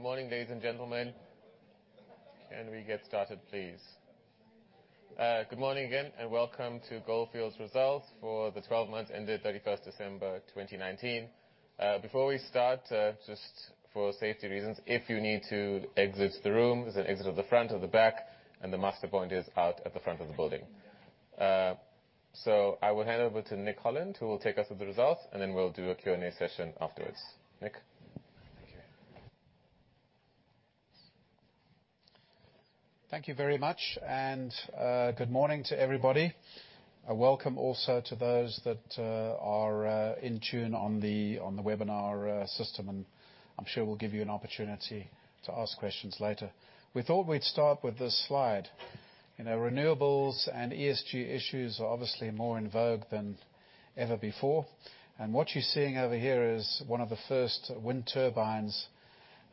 Good morning, ladies and gentlemen. Can we get started, please? Good morning again, welcome to Gold Fields results for the 12 months ended 31st December 2019. Before we start, just for safety reasons, if you need to exit the room, there's an exit at the front or the back, the muster point is out at the front of the building. I will hand over to Nick Holland, who will take us through the results, then we'll do a Q&A session afterwards. Nick? Thank you. Thank you very much. Good morning to everybody. Welcome also to those that are in tune on the webinar system, and I'm sure we'll give you an opportunity to ask questions later. We thought we'd start with this slide. Renewables and ESG issues are obviously more in vogue than ever before. What you're seeing over here is one of the first wind turbines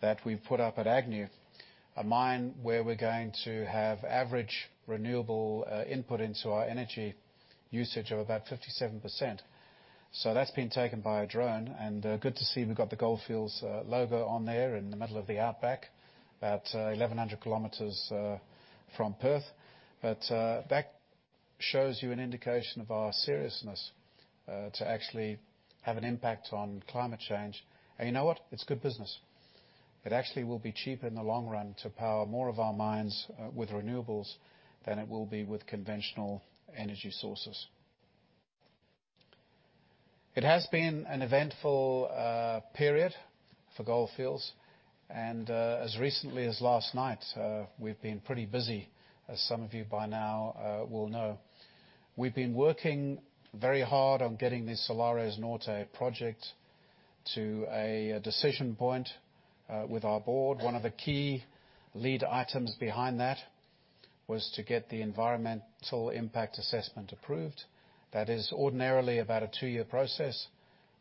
that we've put up at Agnew, a mine where we're going to have average renewable input into our energy usage of about 57%. That's been taken by a drone, and good to see we've got the Gold Fields logo on there in the middle of the outback, about 1,100 kilometers from Perth. That shows you an indication of our seriousness to actually have an impact on climate change. You know what? It's good business. It actually will be cheaper in the long run to power more of our mines with renewables than it will be with conventional energy sources. It has been an eventful period for Gold Fields. As recently as last night, we've been pretty busy, as some of you by now will know. We've been working very hard on getting this Salares Norte project to a decision point with our board. One of the key lead items behind that was to get the environmental impact assessment approved. That is ordinarily about a two-year process.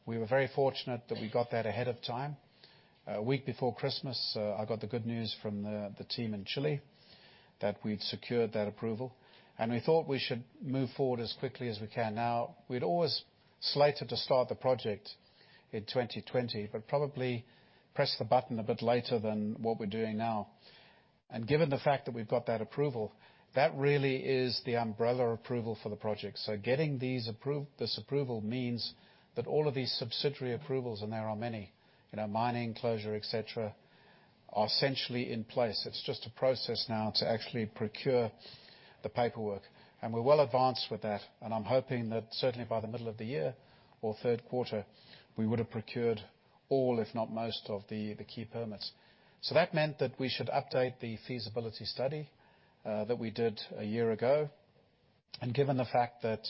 We were very fortunate that we got that ahead of time. A week before Christmas, I got the good news from the team in Chile that we'd secured that approval. We thought we should move forward as quickly as we can. We'd always slated to start the project in 2020, but probably press the button a bit later than what we're doing now. Given the fact that we've got that approval, that really is the umbrella approval for the project. Getting this approval means that all of these subsidiary approvals, and there are many, mining, closure, et cetera, are essentially in place. It's just a process now to actually procure the paperwork. We're well advanced with that, and I'm hoping that certainly by the middle of the year or third quarter, we would have procured all, if not most of the key permits. That meant that we should update the feasibility study that we did a year ago. Given the fact that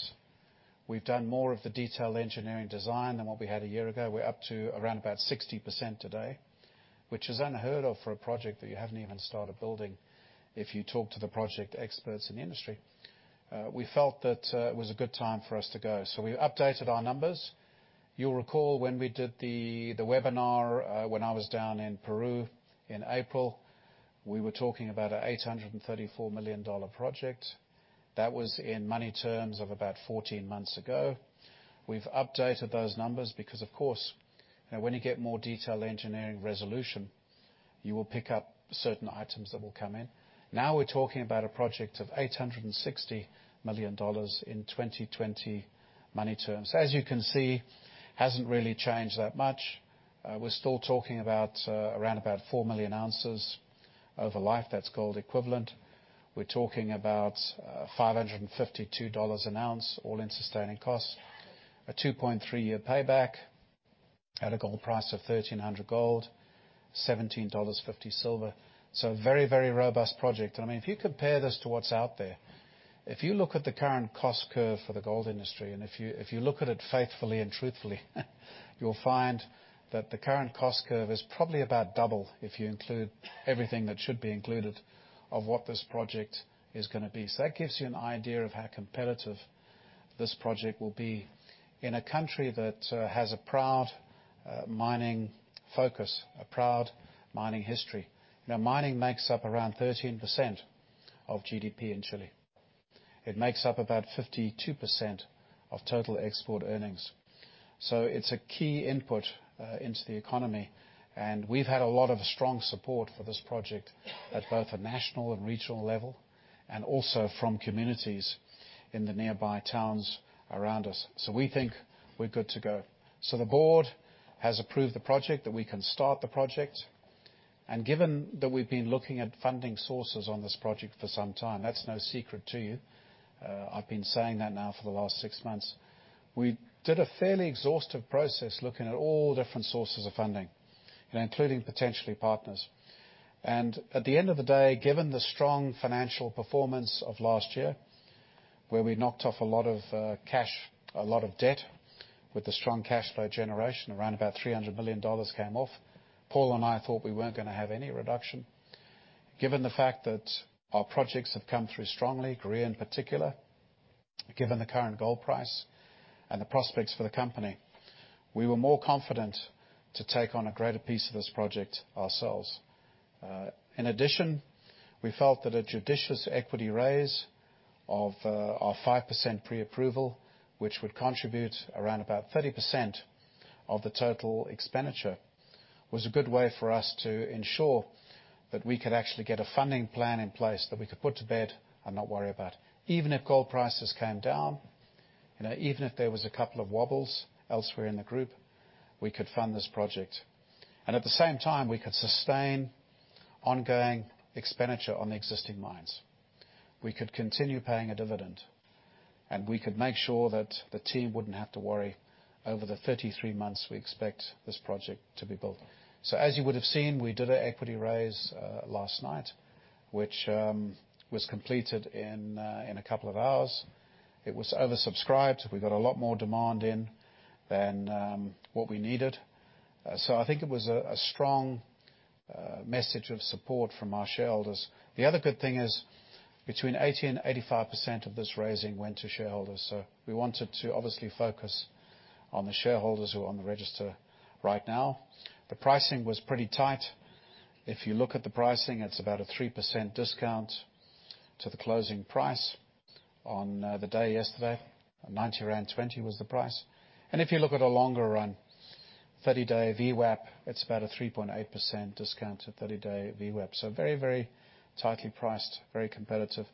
we've done more of the detailed engineering design than what we had a year ago, we're up to around about 60% today, which is unheard of for a project that you haven't even started building, if you talk to the project experts in the industry. We felt that it was a good time for us to go. We updated our numbers. You'll recall when we did the webinar when I was down in Peru in April, we were talking about a $834 million project. That was in money terms of about 14 months ago. We've updated those numbers because, of course, when you get more detailed engineering resolution, you will pick up certain items that will come in. We're talking about a project of $860 million in 2020 money terms. As you can see, hasn't really changed that much. We're still talking about around about 4 million ounces of a life that's gold equivalent. We're talking about $552 an ounce, all-in sustaining costs, a 2.3-year payback at a gold price of $1,300 gold, $17.50 silver. A very, very robust project. If you compare this to what's out there, if you look at the current cost curve for the gold industry, and if you look at it faithfully and truthfully, you'll find that the current cost curve is probably about double if you include everything that should be included of what this project is going to be. That gives you an idea of how competitive this project will be in a country that has a proud mining focus, a proud mining history. Mining makes up around 13% of GDP in Chile. It makes up about 52% of total export earnings. It's a key input into the economy, we've had a lot of strong support for this project at both a national and regional level, also from communities in the nearby towns around us. We think we're good to go. The board has approved the project, that we can start the project. Given that we've been looking at funding sources on this project for some time, that's no secret to you. I've been saying that now for the last six months. We did a fairly exhaustive process looking at all different sources of funding, including potentially partners. At the end of the day, given the strong financial performance of last year, where we knocked off a lot of debt with the strong cash flow generation, around about $300 billion came off. Paul and I thought we weren't going to have any reduction. Given the fact that our projects have come through strongly, Gruyere in particular, given the current gold price and the prospects for the company, we were more confident to take on a greater piece of this project ourselves. In addition, we felt that a judicious equity raise of our 5% pre-approval, which would contribute around about 30% of the total expenditure, was a good way for us to ensure that we could actually get a funding plan in place that we could put to bed and not worry about. Even if gold prices came down, even if there was a couple of wobbles elsewhere in the group, we could fund this project. At the same time, we could sustain ongoing expenditure on the existing mines. We could continue paying a dividend, and we could make sure that the team wouldn't have to worry over the 33 months we expect this project to be built. As you would've seen, we did an equity raise last night, which was completed in a couple of hours. It was oversubscribed. We got a lot more demand in than what we needed. I think it was a strong message of support from our shareholders. The other good thing is, between 80% and 85% of this raising went to shareholders. We wanted to obviously focus on the shareholders who are on the register right now. The pricing was pretty tight. If you look at the pricing, it's about a 3% discount to the closing price on the day yesterday, 90.20 rand was the price. If you look at a longer run, 30-day VWAP, it's about a 3.8% discount to 30-day VWAP. Very tightly priced, very competitive,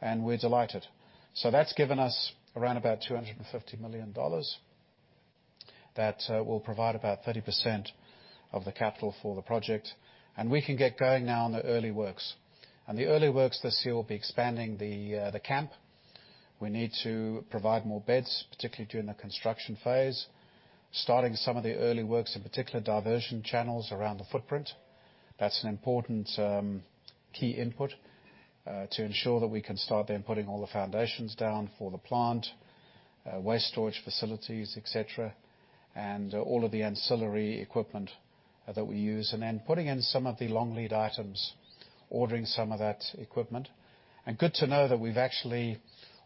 and we're delighted. That's given us around about $250 million that will provide about 30% of the capital for the project. We can get going now on the early works. The early works this year will be expanding the camp. We need to provide more beds, particularly during the construction phase. Starting some of the early works, in particular, diversion channels around the footprint. That's an important key input to ensure that we can start then putting all the foundations down for the plant, waste storage facilities, et cetera, and all of the ancillary equipment that we use. Then putting in some of the long lead items, ordering some of that equipment. Good to know that we've actually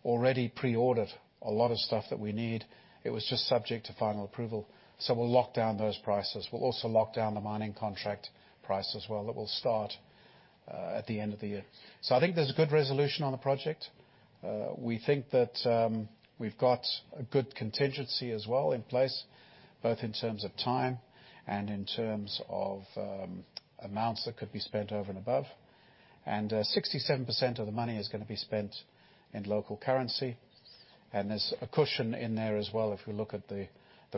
already pre-ordered a lot of stuff that we need. It was just subject to final approval. We'll lock down those prices. We'll also lock down the mining contract price as well. That will start at the end of the year. I think there's a good resolution on the project. We think that we've got a good contingency as well in place, both in terms of time and in terms of amounts that could be spent over and above. 67% of the money is going to be spent in local currency. There's a cushion in there as well if you look at the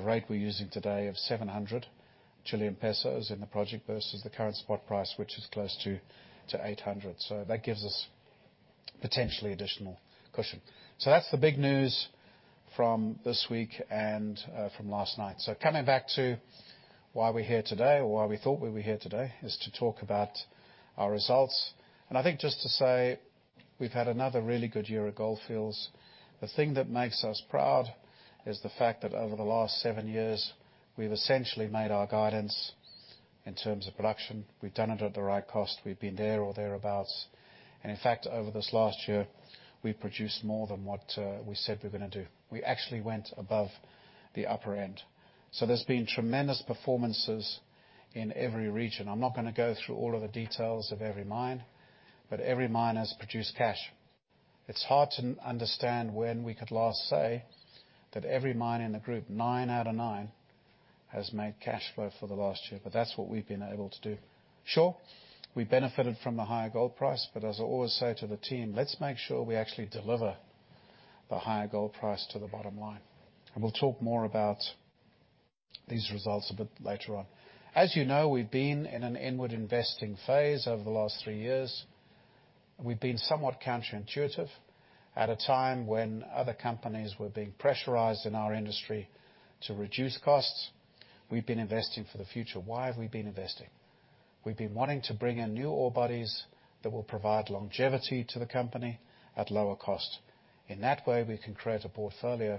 rate we're using today of 700 Chilean pesos in the project versus the current spot price, which is close to 800. That gives us potentially additional cushion. That's the big news from this week and from last night. Coming back to why we're here today, or why we thought we were here today, is to talk about our results. I think just to say we've had another really good year at Gold Fields. The thing that makes us proud is the fact that over the last seven years, we've essentially made our guidance in terms of production. We've done it at the right cost. We've been there or thereabout. In fact, over this last year, we've produced more than what we said we were going to do. We actually went above the upper end. There's been tremendous performances in every region. I'm not going to go through all of the details of every mine, but every mine has produced cash. It's hard to understand when we could last say that every mine in the group, nine out of nine, has made cash flow for the last year, but that's what we've been able to do. Sure, we benefited from the higher gold price, but as I always say to the team, "Let's make sure we actually deliver the higher gold price to the bottom line." We'll talk more about these results a bit later on. As you know, we've been in an inward investing phase over the last three years. We've been somewhat counterintuitive at a time when other companies were being pressurized in our industry to reduce costs. We've been investing for the future. Why have we been investing? We've been wanting to bring in new ore bodies that will provide longevity to the company at lower cost. In that way, we can create a portfolio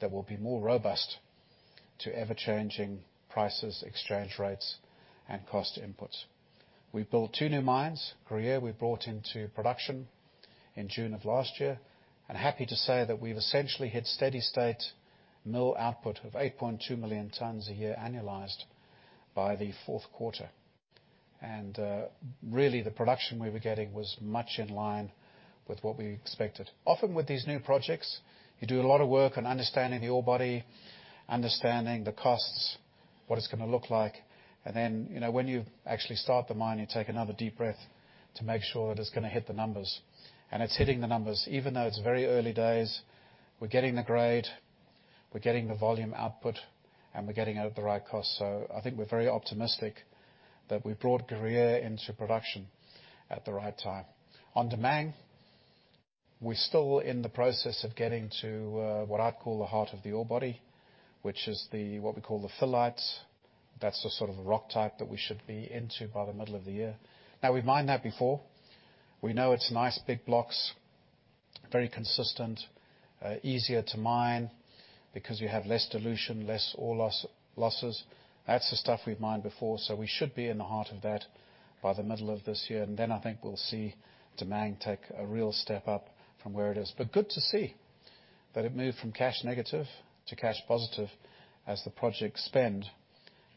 that will be more robust to ever-changing prices, exchange rates, and cost inputs. We've built two new mines. Gruyere we brought into production in June of last year, happy to say that we've essentially hit steady state mill output of 8.2 million tons a year annualized by the fourth quarter. Really, the production we were getting was much in line with what we expected. Often with these new projects, you do a lot of work on understanding the ore body, understanding the costs, what it's going to look like, then when you actually start the mine, you take another deep breath to make sure that it's going to hit the numbers. It's hitting the numbers. Even though it's very early days, we're getting the grade, we're getting the volume output, and we're getting it at the right cost. I think we're very optimistic that we've brought Gruyere into production at the right time. On Damang, we're still in the process of getting to what I'd call the heart of the ore body, which is what we call the phyllite. That's the sort of rock type that we should be into by the middle of the year. We've mined that before. We know it's nice, big blocks, very consistent, easier to mine because you have less dilution, less ore losses. That's the stuff we've mined before, so we should be in the heart of that by the middle of this year. I think we'll see Damang take a real step up from where it is. Good to see that it moved from cash negative to cash positive as the project spend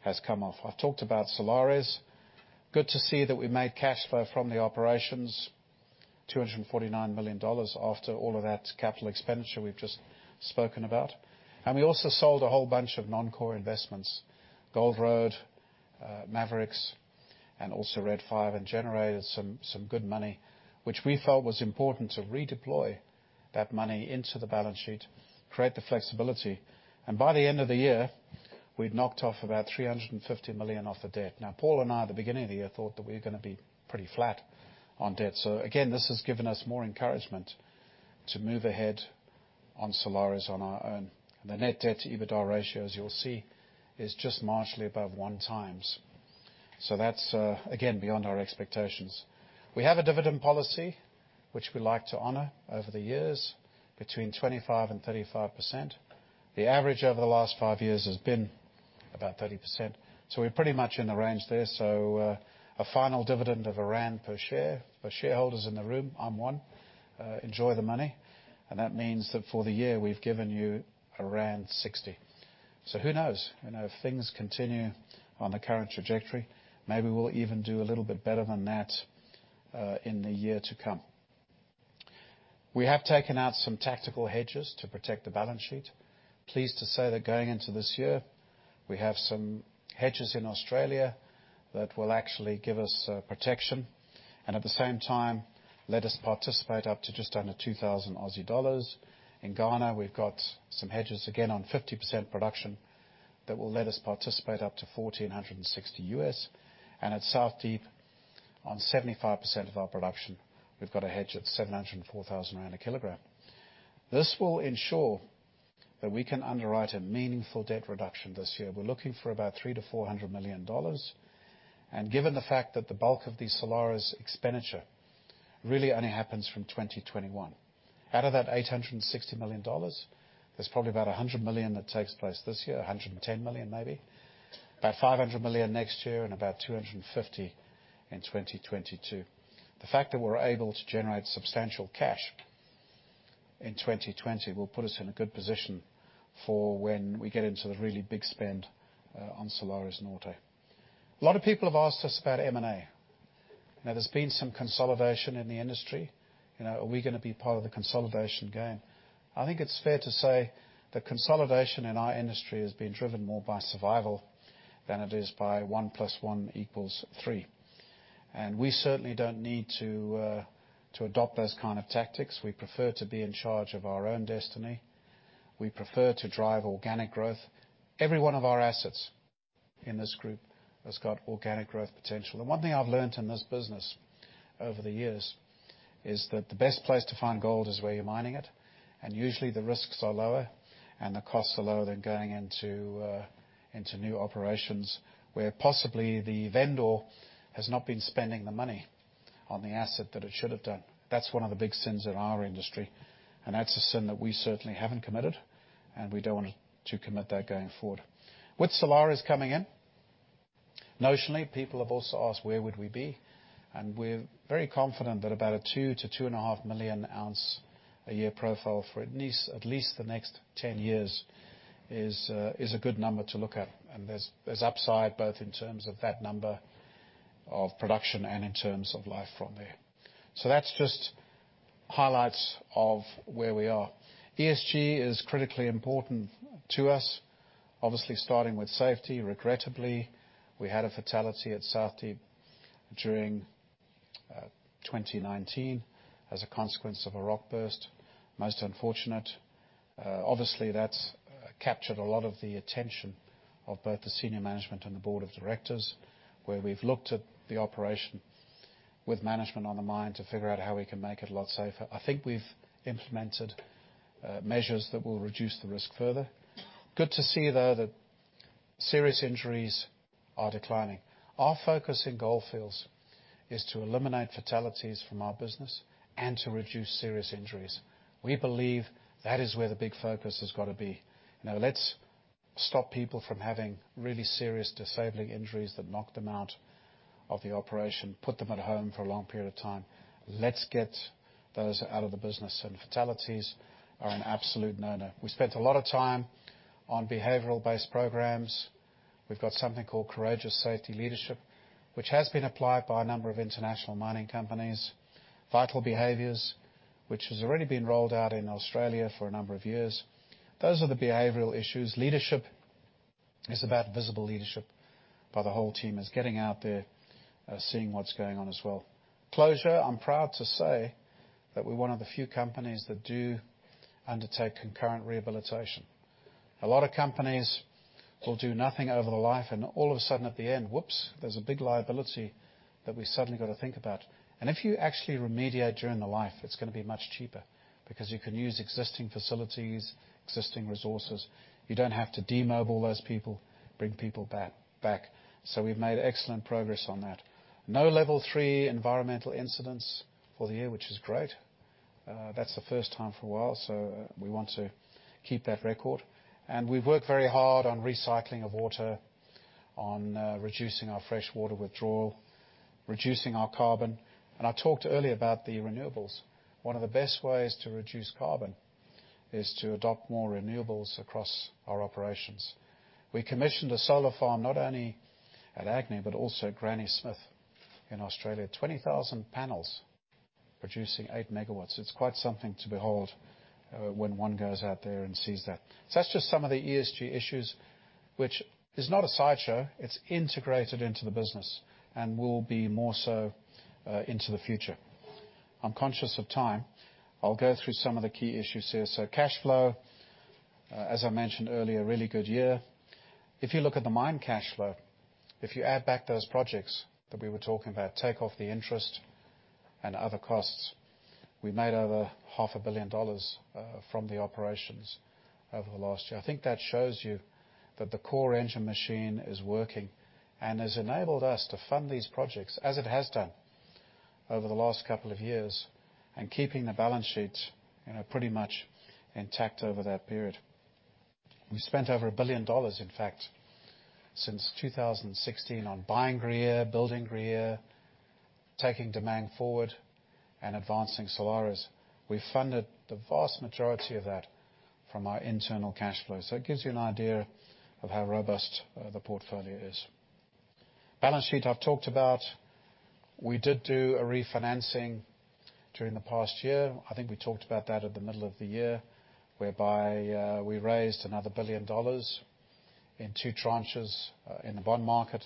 has come off. I've talked about Salares. Good to see that we made cash flow from the operations, $249 million after all of that capital expenditure we've just spoken about. We also sold a whole bunch of non-core investments, Gold Road, Maverix, and also Red 5, and generated some good money, which we thought was important to redeploy that money into the balance sheet, create the flexibility. By the end of the year, we'd knocked off about $350 million off the debt. Paul and I at the beginning of the year thought that we were going to be pretty flat on debt. Again, this has given us more encouragement to move ahead on Salares on our own. The net debt to EBITDA ratio, as you'll see, is just marginally above one times. That's, again, beyond our expectations. We have a dividend policy, which we like to honor over the years, between 25%-35%. The average over the last five years has been about 30%, we're pretty much in the range there. A final dividend of ZAR 1 per share. For shareholders in the room, I'm one, enjoy the money. That means that for the year, we've given you 1.60. Who knows? If things continue on the current trajectory, maybe we'll even do a little bit better than that in the year to come. We have taken out some tactical hedges to protect the balance sheet. Pleased to say that going into this year, we have some hedges in Australia that will actually give us protection, and at the same time, let us participate up to just under 2,000 Aussie dollars. In Ghana, we've got some hedges, again, on 50% production that will let us participate up to $1,460. At South Deep, on 75% of our production, we've got a hedge at 704,000 rand a kilogram. This will ensure that we can underwrite a meaningful debt reduction this year. We're looking for about $300 million-$400 million. Given the fact that the bulk of the Salares expenditure really only happens from 2021, out of that $860 million, there's probably about $100 million that takes place this year, $110 million maybe, about $500 million next year, and about $250 million in 2022. The fact that we're able to generate substantial cash in 2020 will put us in a good position for when we get into the really big spend on Salares Norte. A lot of people have asked us about M&A. There's been some consolidation in the industry. Are we going to be part of the consolidation game? I think it's fair to say that consolidation in our industry is being driven more by survival than it is by 1 + 1 = 3. We certainly don't need to adopt those kind of tactics. We prefer to be in charge of our own destiny. We prefer to drive organic growth. Every one of our assets in this group has got organic growth potential. The one thing I've learned in this business over the years is that the best place to find gold is where you're mining it. Usually, the risks are lower and the costs are lower than going into new operations, where possibly the vendor has not been spending the money on the asset that it should have done. That's one of the big sins in our industry, and that's a sin that we certainly haven't committed, and we don't want to commit that going forward. With Salares coming in, notionally, people have also asked where would we be, and we're very confident that about a 2 to 2.5 million ounce a year profile for at least the next 10 years is a good number to look at. There's upside, both in terms of that number of production and in terms of life from there. That's just highlights of where we are. ESG is critically important to us, obviously starting with safety. Regrettably, we had a fatality at South Deep during 2019 as a consequence of a rock burst. Most unfortunate. That's captured a lot of the attention of both the senior management and the board of directors, where we've looked at the operation with management on the mine to figure out how we can make it a lot safer. I think we've implemented measures that will reduce the risk further. Good to see, though, that serious injuries are declining. Our focus in Gold Fields is to eliminate fatalities from our business and to reduce serious injuries. We believe that is where the big focus has got to be. Let's stop people from having really serious disabling injuries that knock them out of the operation, put them at home for a long period of time. Let's get those out of the business. Fatalities are an absolute no-no. We spent a lot of time on behavioral-based programs. We've got something called Courageous Safety Leadership, which has been applied by a number of international mining companies. Vital Behaviours, which has already been rolled out in Australia for a number of years. Those are the behavioral issues. Leadership is about visible leadership by the whole team. It's getting out there, seeing what's going on as well. Closure, I'm proud to say that we're one of the few companies that do undertake concurrent rehabilitation. A lot of companies will do nothing over the life, and all of a sudden at the end, whoops, there's a big liability that we've suddenly got to think about. If you actually remediate during the life, it's going to be much cheaper because you can use existing facilities, existing resources. You don't have to demobilize people, bring people back. We've made excellent progress on that. No level 3 environmental incidents for the year, which is great. That's the first time for a while, so we want to keep that record. We've worked very hard on recycling of water, on reducing our freshwater withdrawal, reducing our carbon, and I talked earlier about the renewables. One of the best ways to reduce carbon is to adopt more renewables across our operations. We commissioned a solar farm not only at Agnew, but also Granny Smith in Australia. 20,000 panels producing 8 MW. It's quite something to behold when one goes out there and sees that. That's just some of the ESG issues, which is not a sideshow, it's integrated into the business and will be more so into the future. I'm conscious of time. I'll go through some of the key issues here. Cash flow, as I mentioned earlier, really good year. If you look at the mine cash flow, if you add back those projects that we were talking about, take off the interest and other costs, we made over $500 million from the operations over the last year. I think that shows you that the core engine machine is working and has enabled us to fund these projects as it has done over the last couple of years, and keeping the balance sheet pretty much intact over that period. We've spent over $1 billion, in fact, since 2016 on buying Gruyere, building Gruyere, taking Damang forward, and advancing Salares. We've funded the vast majority of that from our internal cash flow. It gives you an idea of how robust the portfolio is. Balance sheet I've talked about. We did do a refinancing during the past year. I think we talked about that at the middle of the year, whereby we raised another $1 billion in two tranches in the bond market.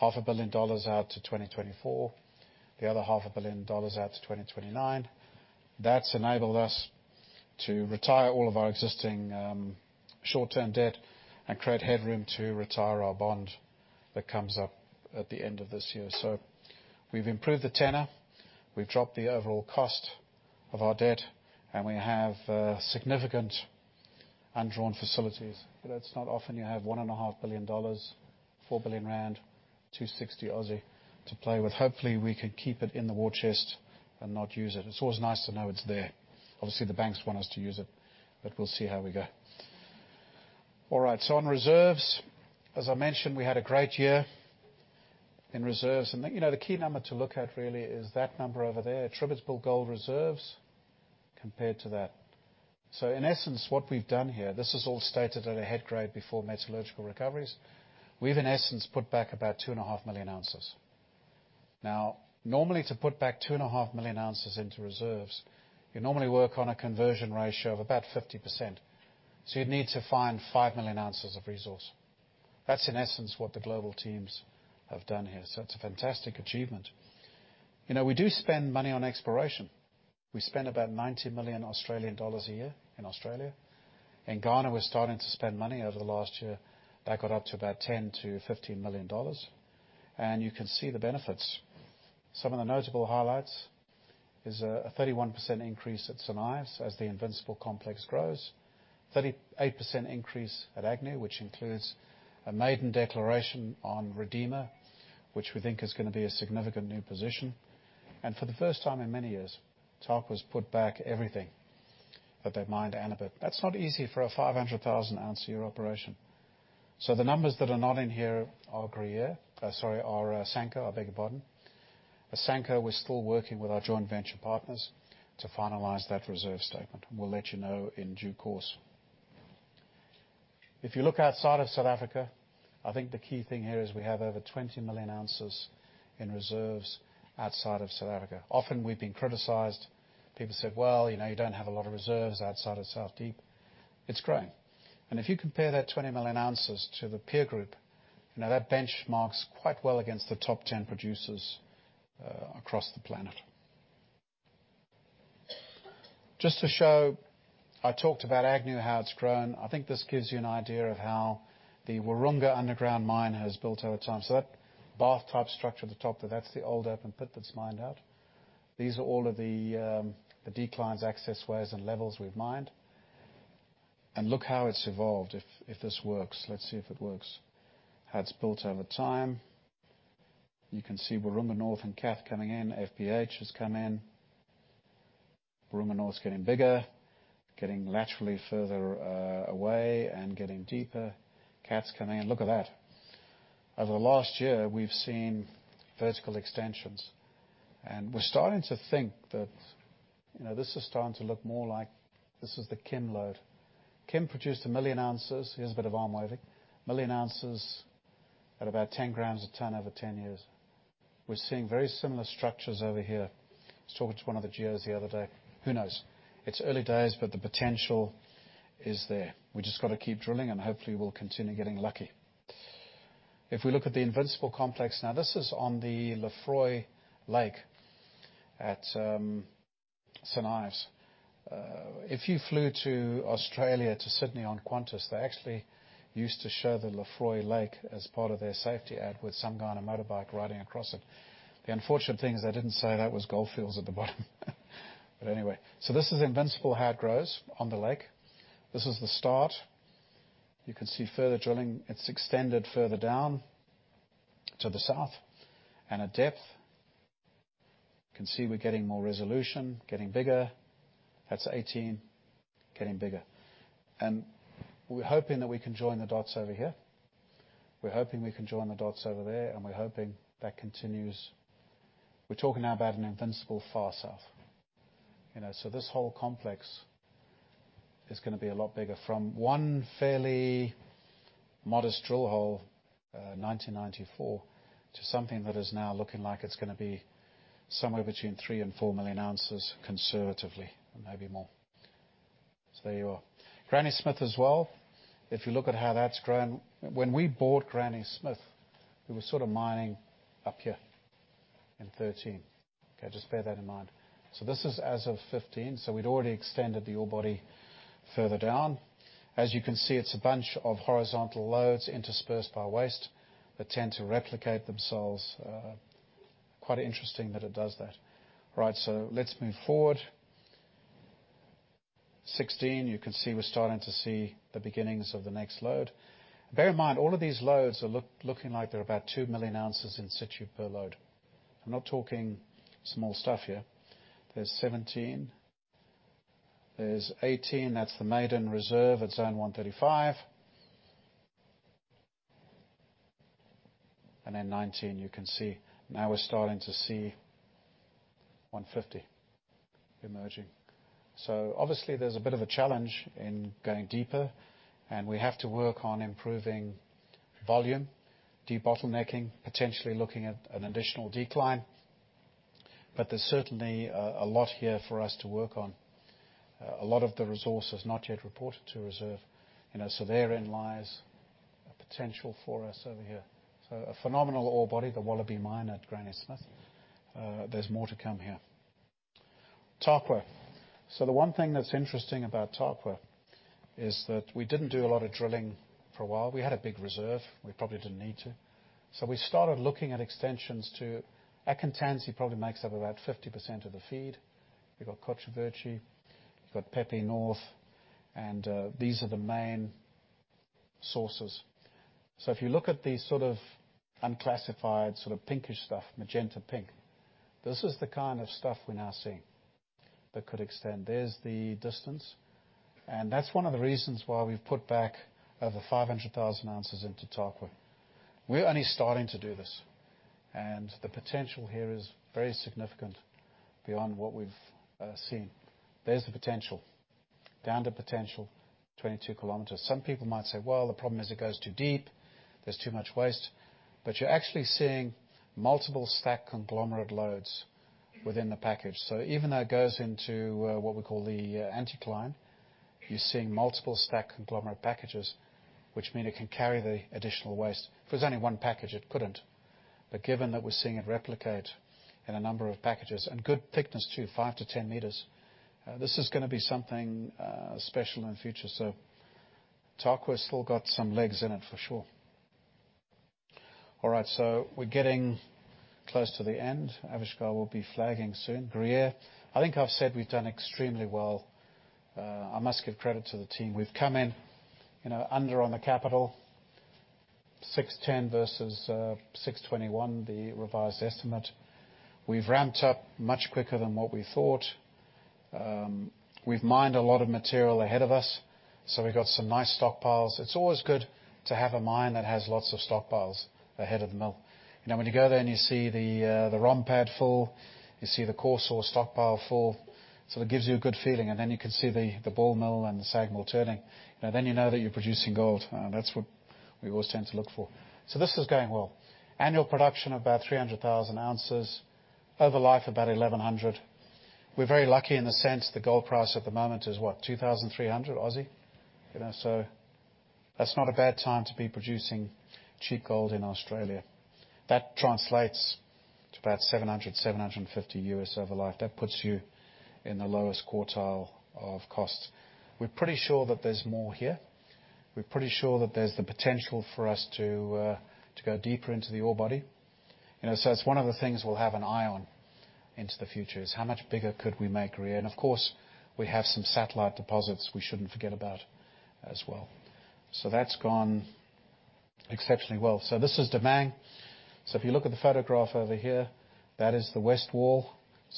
$500 million out to 2024, the other $500 million out to 2029. That's enabled us to retire all of our existing short-term debt and create headroom to retire our bond that comes up at the end of this year. We've improved the tenor, we've dropped the overall cost of our debt, and we have significant undrawn facilities. It's not often you have $1.5 billion, 4 billion rand, 260 to play with. Hopefully, we can keep it in the war chest and not use it. It's always nice to know it's there. Obviously, the banks want us to use it, but we'll see how we go. All right. On reserves, as I mentioned, we had a great year in reserves. The key number to look at really is that number over there, attributable gold reserves compared to that. In essence, what we've done here, this is all stated at a head grade before metallurgical recoveries. We've in essence put back about 2.5 million ounces. Normally to put back 2.5 million ounces into reserves, you normally work on a conversion ratio of about 50%, so you'd need to find 5 million ounces of resource. That's in essence what the global teams have done here. It's a fantastic achievement. We do spend money on exploration. We spend about 90 million Australian dollars a year in Australia. In Ghana, we're starting to spend money over the last year, that got up to about $10 million-$15 million. You can see the benefits. Some of the notable highlights is a 31% increase at St Ives as the Invincible complex grows, 38% increase at Agnew, which includes a maiden declaration on Redeemer, which we think is going to be a significant new position. For the first time in many years, Tarkwa's put back everything that they've mined at [Aniba]. That's not easy for a 500,000-ounce-a-year operation. The numbers that are not in here are Asanko. At Asanko, we're still working with our joint venture partners to finalize that reserve statement, and we'll let you know in due course. If you look outside of South Africa, I think the key thing here is we have over 20 million ounces in reserves outside of South Africa. Often we've been criticized. People said, "Well, you don't have a lot of reserves outside of South Deep." It's growing. If you compare that 20 million ounces to the peer group, that benchmarks quite well against the top 10 producers across the planet. Just to show, I talked about Agnew, how it's grown. I think this gives you an idea of how the Waroonga underground mine has built over time. So that bath type structure at the top, that's the old open pit that's mined out. These are all of the declines, access ways, and levels we've mined. Look how it's evolved. If this works. Let's see if it works. How it's built over time. You can see Waroonga North and Kath coming in. FPH has come in. Waroonga North's getting bigger, getting laterally further away and getting deeper. Kath's coming in. Look at that. Over the last year, we've seen vertical extensions, and we're starting to think that this is starting to look more like this is the Kim lode. Kim produced 1 million ounces. Here's a bit of arm waving. 1 million ounces at about 10 g a ton over 10 years. We're seeing very similar structures over here. I was talking to one of the geologists the other day, who knows? It's early days, but the potential is there. We've just got to keep drilling, and hopefully, we'll continue getting lucky. If we look at the Invincible complex, now this is on the Lefroy Lake at St Ives. If you flew to Australia to Sydney on Qantas, they actually used to show the Lefroy Lake as part of their safety ad with some guy on a motorbike riding across it. The unfortunate thing is they didn't say that was Gold Fields at the bottom. Anyway. This is Invincible, how it grows on the lake. This is the start. You can see further drilling. It's extended further down to the south, and at depth. You can see we're getting more resolution, getting bigger. That's 18, getting bigger. We're hoping that we can join the dots over here. We're hoping we can join the dots over there, and we're hoping that continues. We're talking now about an Invincible Far South. This whole complex is going to be a lot bigger, from one fairly modest drill hole, 1994, to something that is now looking like it's going to be somewhere between three and four million ounces conservatively, maybe more. There you are. Granny Smith as well, if you look at how that's grown, when we bought Granny Smith, we were sort of mining up here in 2013. Okay, just bear that in mind. This is as of 2015, so we'd already extended the ore body further down. As you can see, it's a bunch of horizontal loads interspersed by waste that tend to replicate themselves. Quite interesting that it does that. Right, so let's move forward. 2016, you can see we're starting to see the beginnings of the next load. Bear in mind, all of these loads are looking like they're about 2 million ounces in situ per load. I'm not talking small stuff here. There's 2017. There's 2018. That's the maiden reserve at Zone 135. 2019, you can see now we're starting to see 150 emerging. Obviously, there's a bit of a challenge in going deeper, and we have to work on improving volume, debottlenecking, potentially looking at an additional decline. There's certainly a lot here for us to work on. A lot of the resource is not yet reported to reserve, therein lies a potential for us over here. A phenomenal ore body, the Wallaby Mine at Granny Smith. There's more to come here. Tarkwa. The one thing that's interesting about Tarkwa is that we didn't do a lot of drilling for a while. We had a big reserve. We probably didn't need to. We started looking at extensions to Akontansi probably makes up about 50% of the feed. We'v++e got Kokrobite, we've got Pepe North, these are the main sources. If you look at these sort of unclassified sort of pinkish stuff, magenta pink, this is the kind of stuff we're now seeing that could extend. There's the distance, and that's one of the reasons why we've put back over 500,000 ounces into Tarkwa. We're only starting to do this. The potential here is very significant beyond what we've seen. There's the potential. Down-dip potential, 22 kilometers. Some people might say, "Well, the problem is it goes too deep. There's too much waste." You're actually seeing multiple stack conglomerate loads within the package. Even though it goes into what we call the anticline, you're seeing multiple stack conglomerate packages, which mean it can carry the additional waste. If it was only one package, it couldn't. Given that we're seeing it replicate in a number of packages, and good thickness too, 5 to 10 meters, this is going to be something special in the future. Tarkwa's still got some legs in it for sure. All right, we're getting close to the end. Avishkar will be flagging soon. Gruyere. I think I've said we've done extremely well. I must give credit to the team. We've come in under on the capital, $610 million versus $621 million, the revised estimate. We've ramped up much quicker than what we thought. We've mined a lot of material ahead of us, we've got some nice stockpiles. It's always good to have a mine that has lots of stockpiles ahead of the mill. When you go there and you see the ROM pad full, you see the coarse ore stockpile full, that gives you a good feeling. You can see the ball mill and the SAG mill turning. You know that you're producing gold. That's what we always tend to look for. This is going well. Annual production about 300,000 ounces. Over life, about 1,100. We're very lucky in the sense the gold price at the moment is what, 2,300? That's not a bad time to be producing cheap gold in Australia. That translates to about $700, $750 over life. That puts you in the lowest quartile of cost. We're pretty sure that there's more here. We're pretty sure that there's the potential for us to go deeper into the ore body. That's one of the things we'll have an eye on into the future, is how much bigger could we make Gruyere? Of course, we have some satellite deposits we shouldn't forget about as well. That's gone exceptionally well. This is Damang. If you look at the photograph over here, that is the west wall.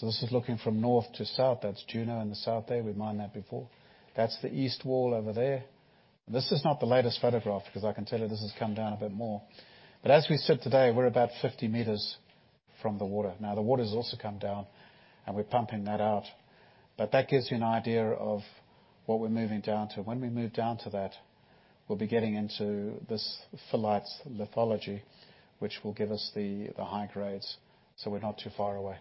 This is looking from north to south. That's Juno in the south there. We mined that before. That's the east wall over there. This is not the latest photograph because I can tell you this has come down a bit more. As we sit today, we're about 50 meters from the water. Now, the water's also come down, and we're pumping that out. That gives you an idea of what we're moving down to. When we move down to that, we'll be getting into this phyllite lithology, which will give us the high grades, so we're not too far away.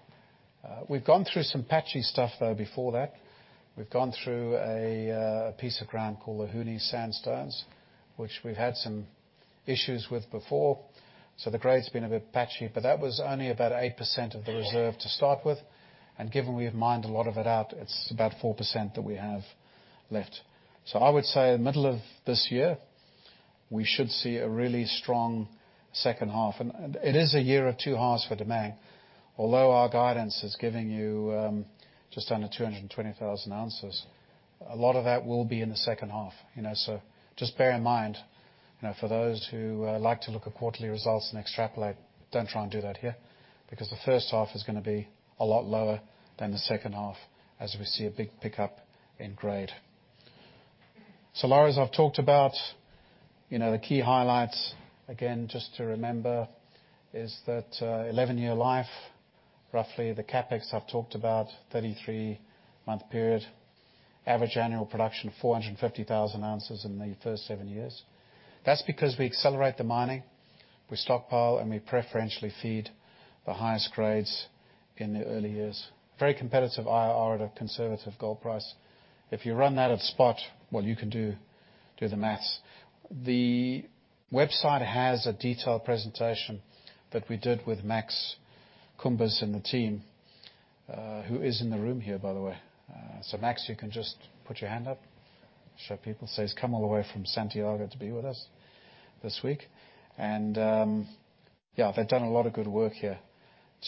We've gone through some patchy stuff, though, before that. We've gone through a piece of ground called the Huni Sandstone, which we've had some issues with before. The grade's been a bit patchy. That was only about 8% of the reserve to start with. Given we have mined a lot of it out, it's about 4% that we have left. I would say middle of this year, we should see a really strong second half. It is a year of two halves for Damang. Although our guidance is giving just under 220,000 ounces. A lot of that will be in the second half. Just bear in mind, for those who like to look at quarterly results and extrapolate, don't try and do that here, because the first half is going to be a lot lower than the second half as we see a big pickup in grade. Salares, I've talked about the key highlights. Just to remember is that 11-year life, roughly the CapEx I've talked about, 33-month period, average annual production 450,000 ounces in the first seven years. That's because we accelerate the mining, we stockpile, and we preferentially feed the highest grades in the early years. Very competitive IRR at a conservative gold price. If you run that at spot, well, you can do the math. The website has a detailed presentation that we did with Max Combes and the team, who is in the room here, by the way. Max, you can just put your hand up, show people. He's come all the way from Santiago to be with us this week, and they've done a lot of good work here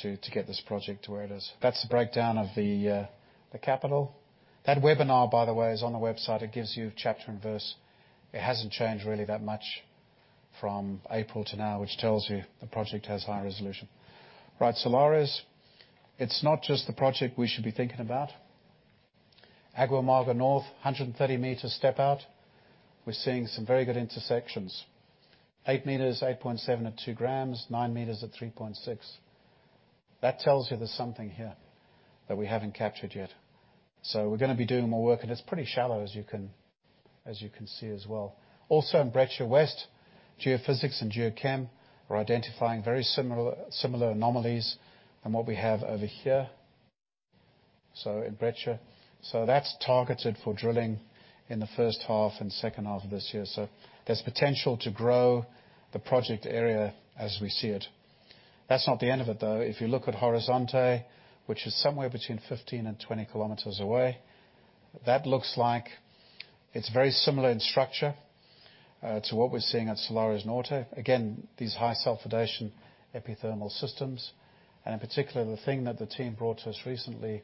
to get this project to where it is. That's the breakdown of the capital. That webinar, by the way, is on the website. It gives you chapter and verse. It hasn't changed really that much from April to now, which tells you the project has high resolution. Right. Salares, it's not just the project we should be thinking about. Agua Amarga North, 130 m step out, we're seeing some very good intersections. 8 m, 8.7 m at 2 g, 9 m at 3.6 g. That tells you there's something here that we haven't captured yet. We're going to be doing more work, and it's pretty shallow as you can see as well. Also, in Breccia West, geophysics and geochem are identifying very similar anomalies than what we have over here, so in Breccia. That's targeted for drilling in the first half and second half of this year. There's potential to grow the project area as we see it. That's not the end of it, though. If you look at Horizonte, which is somewhere between 15 and 20 km away, that looks like it's very similar in structure to what we're seeing at Salares Norte. These high-sulfidation epithermal systems, and in particular, the thing that the team brought to us recently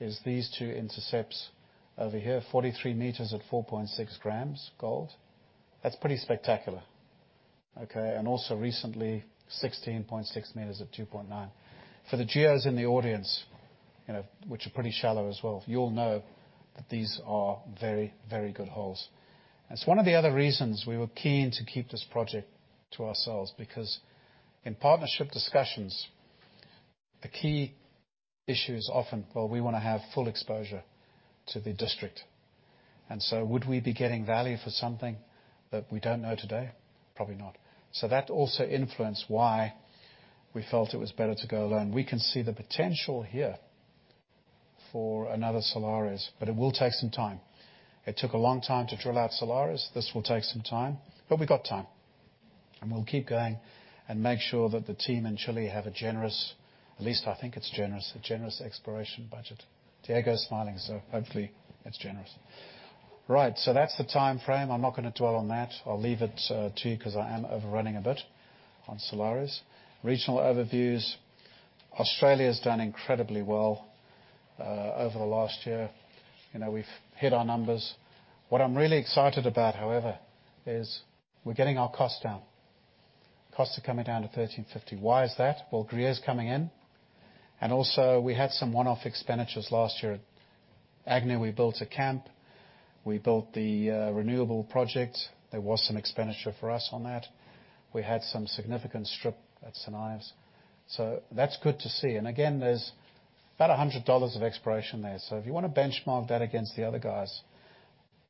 is these two intercepts over here, 43 m at 4.6 g gold. That's pretty spectacular, okay? Also recently, 16.6 m at 2.9 g. For the geos in the audience, which are pretty shallow as well, you'll know that these are very good holes. That's one of the other reasons we were keen to keep this project to ourselves, because in partnership discussions, the key issue is often, well, we want to have full exposure to the district. Would we be getting value for something that we don't know today? Probably not. That also influenced why we felt it was better to go alone. We can see the potential here for another Salares, but it will take some time. It took a long time to drill out Salares. This will take some time. We got time, and we'll keep going and make sure that the team in Chile have a generous, at least I think it's generous, a generous exploration budget. Diego's smiling, so hopefully it's generous. Right. That's the time frame. I'm not going to dwell on that. I'll leave it to you because I am overrunning a bit on Salares. Regional overviews. Australia's done incredibly well over the last year. We've hit our numbers. What I'm really excited about, however, is we're getting our costs down. Costs are coming down to 1,350. Why is that? Gruyere's coming in, we had some one-off expenditures last year. At Agnew, we built a camp. We built the renewable project. There was some expenditure for us on that. We had some significant strip at Salares. That's good to see. There's about $100 of exploration there. If you want to benchmark that against the other guys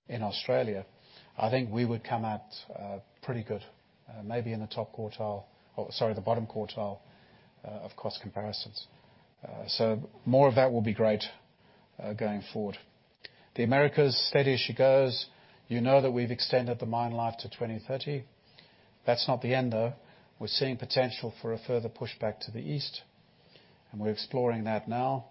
in Australia, I think we would come out pretty good, maybe in the top quartile, or sorry, the bottom quartile of cost comparisons. More of that will be great going forward. The Americas, steady as she goes. You know that we've extended the mine life to 2030. That's not the end, though. We're seeing potential for a further pushback to the east, and we're exploring that now.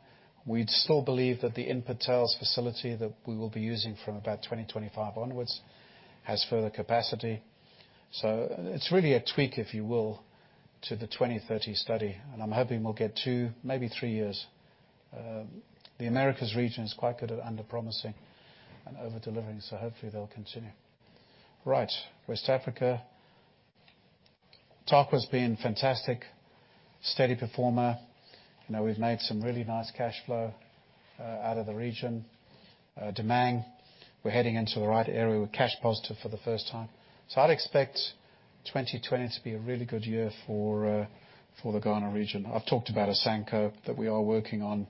We still believe that the input tails facility that we will be using from about 2025 onwards has further capacity. It's really a tweak, if you will, to the 2030 study, and I'm hoping we'll get two, maybe three years. The Americas region is quite good at underpromising and over-delivering, so hopefully they'll continue. Right. West Africa. Tarkwa's been fantastic. Steady performer. We've made some really nice cash flow out of the region. Damang, we're heading into the right area. We're cash positive for the first time. I'd expect 2020 to be a really good year for the Ghana region. I've talked about Asanko, that we are working on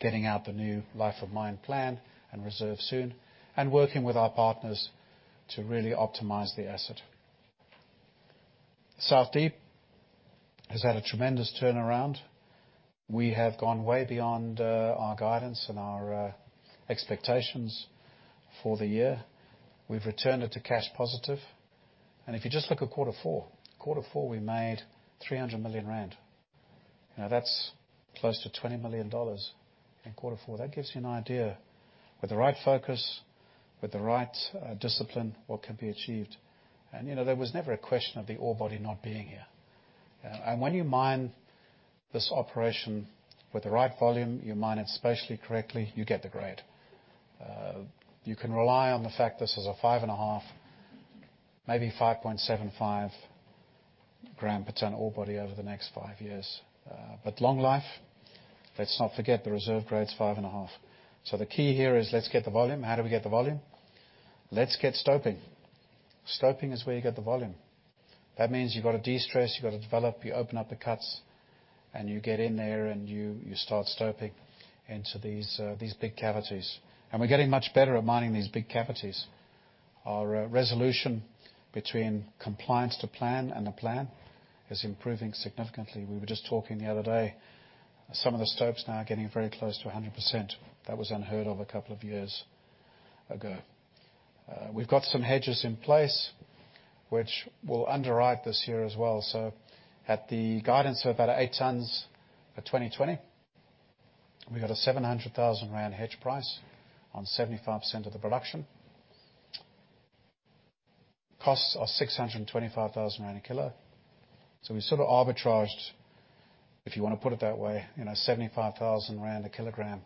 getting out the new Life of Mine plan and reserve soon and working with our partners to really optimize the asset. South Deep has had a tremendous turnaround. We have gone way beyond our guidance and our expectations for the year. We've returned it to cash positive. If you just look at quarter four, we made 300 million rand. That's close to $20 million in quarter four. That gives you an idea. With the right discipline, what can be achieved. There was never a question of the ore body not being here. When you mine this operation with the right volume, you mine it spatially correctly, you get the grade. You can rely on the fact this is a 5.5, maybe 5.75 gram per ton ore body over the next five years. Long life, let's not forget the reserve grade's five and a half. The key here is let's get the volume. How do we get the volume? Let's get stoping. Stoping is where you get the volume. That means you've got to destress, you've got to develop, you open up the cuts, and you get in there, and you start stoping into these big cavities. We're getting much better at mining these big cavities. Our resolution between compliance to plan and the plan is improving significantly. We were just talking the other day, some of the stopes now are getting very close to 100%. That was unheard of a couple of years ago. We've got some hedges in place, which will underwrite this year as well. At the guidance of about 8 tons for 2020, we've got a 700,000 rand hedge price on 75% of the production. Costs are 625,000 rand a kilo. We sort of arbitraged, if you want to put it that way, 75,000 rand a kilogram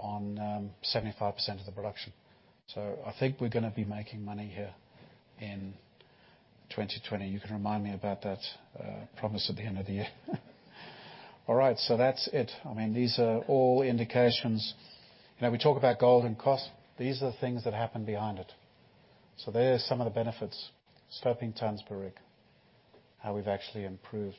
on 75% of the production. I think we're going to be making money here in 2020. You can remind me about that promise at the end of the year. That's it. These are all indications. We talk about gold and cost. These are things that happen behind it. There are some of the benefits, stoping tonnes per rig, how we've actually improved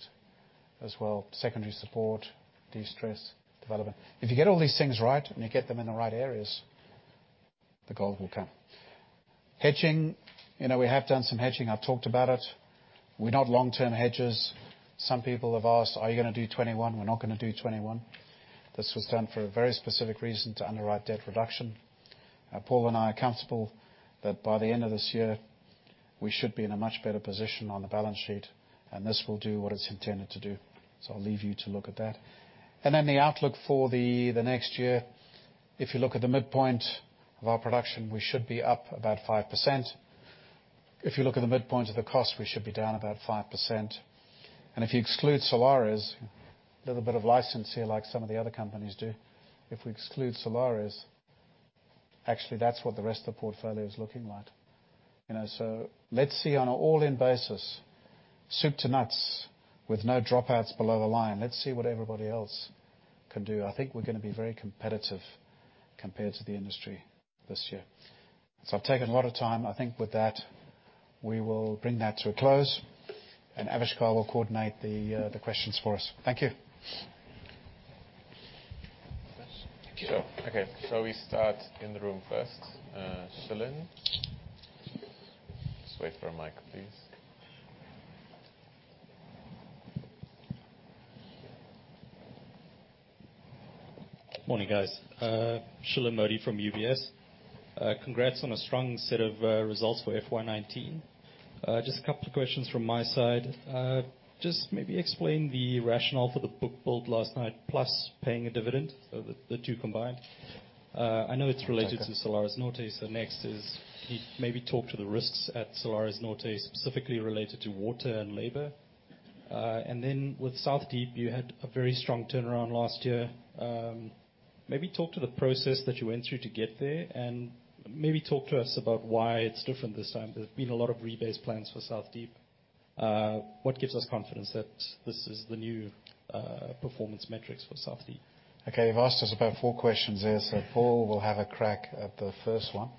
as well, secondary support, destress, development. If you get all these things right and you get them in the right areas, the gold will come. Hedging, we have done some hedging. I've talked about it. We're not long-term hedgers. Some people have asked, "Are you going to do 2021?" We're not going to do 2021. This was done for a very specific reason, to underwrite debt reduction. Paul and I are comfortable that by the end of this year, we should be in a much better position on the balance sheet, and this will do what it's intended to do. I'll leave you to look at that. The outlook for the next year, if you look at the midpoint of our production, we should be up about 5%. If you look at the midpoint of the cost, we should be down about 5%. If you exclude Salares, little bit of license here like some of the other companies do, if we exclude Salares, actually, that's what the rest of the portfolio is looking like. Let's see on an all-in basis, soup to nuts, with no dropouts below the line. Let's see what everybody else can do. I think we're going to be very competitive compared to the industry this year. I've taken a lot of time. I think with that, we will bring that to a close, and Avishkar will coordinate the questions for us. Thank you. Okay. Shall we start in the room first? Shilan. Just wait for a mic, please. Morning, guys. Shilan Modi from UBS. Congrats on a strong set of results for FY 2019. Just a couple of questions from my side. Just maybe explain the rationale for the book build last night, plus paying a dividend, the two combined. I know it's related to Salares Norte. Next is, can you maybe talk to the risks at Salares Norte, specifically related to water and labor? With South Deep, you had a very strong turnaround last year. Maybe talk to the process that you went through to get there, and maybe talk to us about why it's different this time. There's been a lot of rebase plans for South Deep. What gives us confidence that this is the new performance metrics for South Deep? Okay, you've asked us about four questions there. Paul will have a crack at the first one.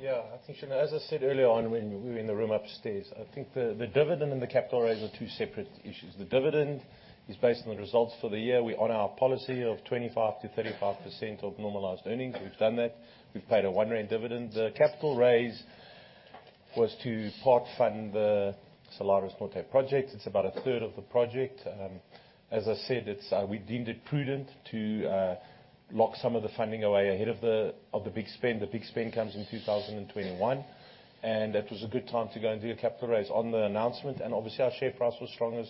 Yeah, I think, Shilan, as I said earlier on when we were in the room upstairs, I think the dividend and the capital raise are two separate issues. The dividend is based on the results for the year. We honor our policy of 25%-35% of normalized earnings. We've done that. We've paid a 1 rand dividend. The capital raise was to part-fund the Salares Norte project. It's about a third of the project. As I said, we deemed it prudent to lock some of the funding away ahead of the big spend. The big spend comes in 2021, and that was a good time to go and do a capital raise on the announcement. Obviously, our share price was strong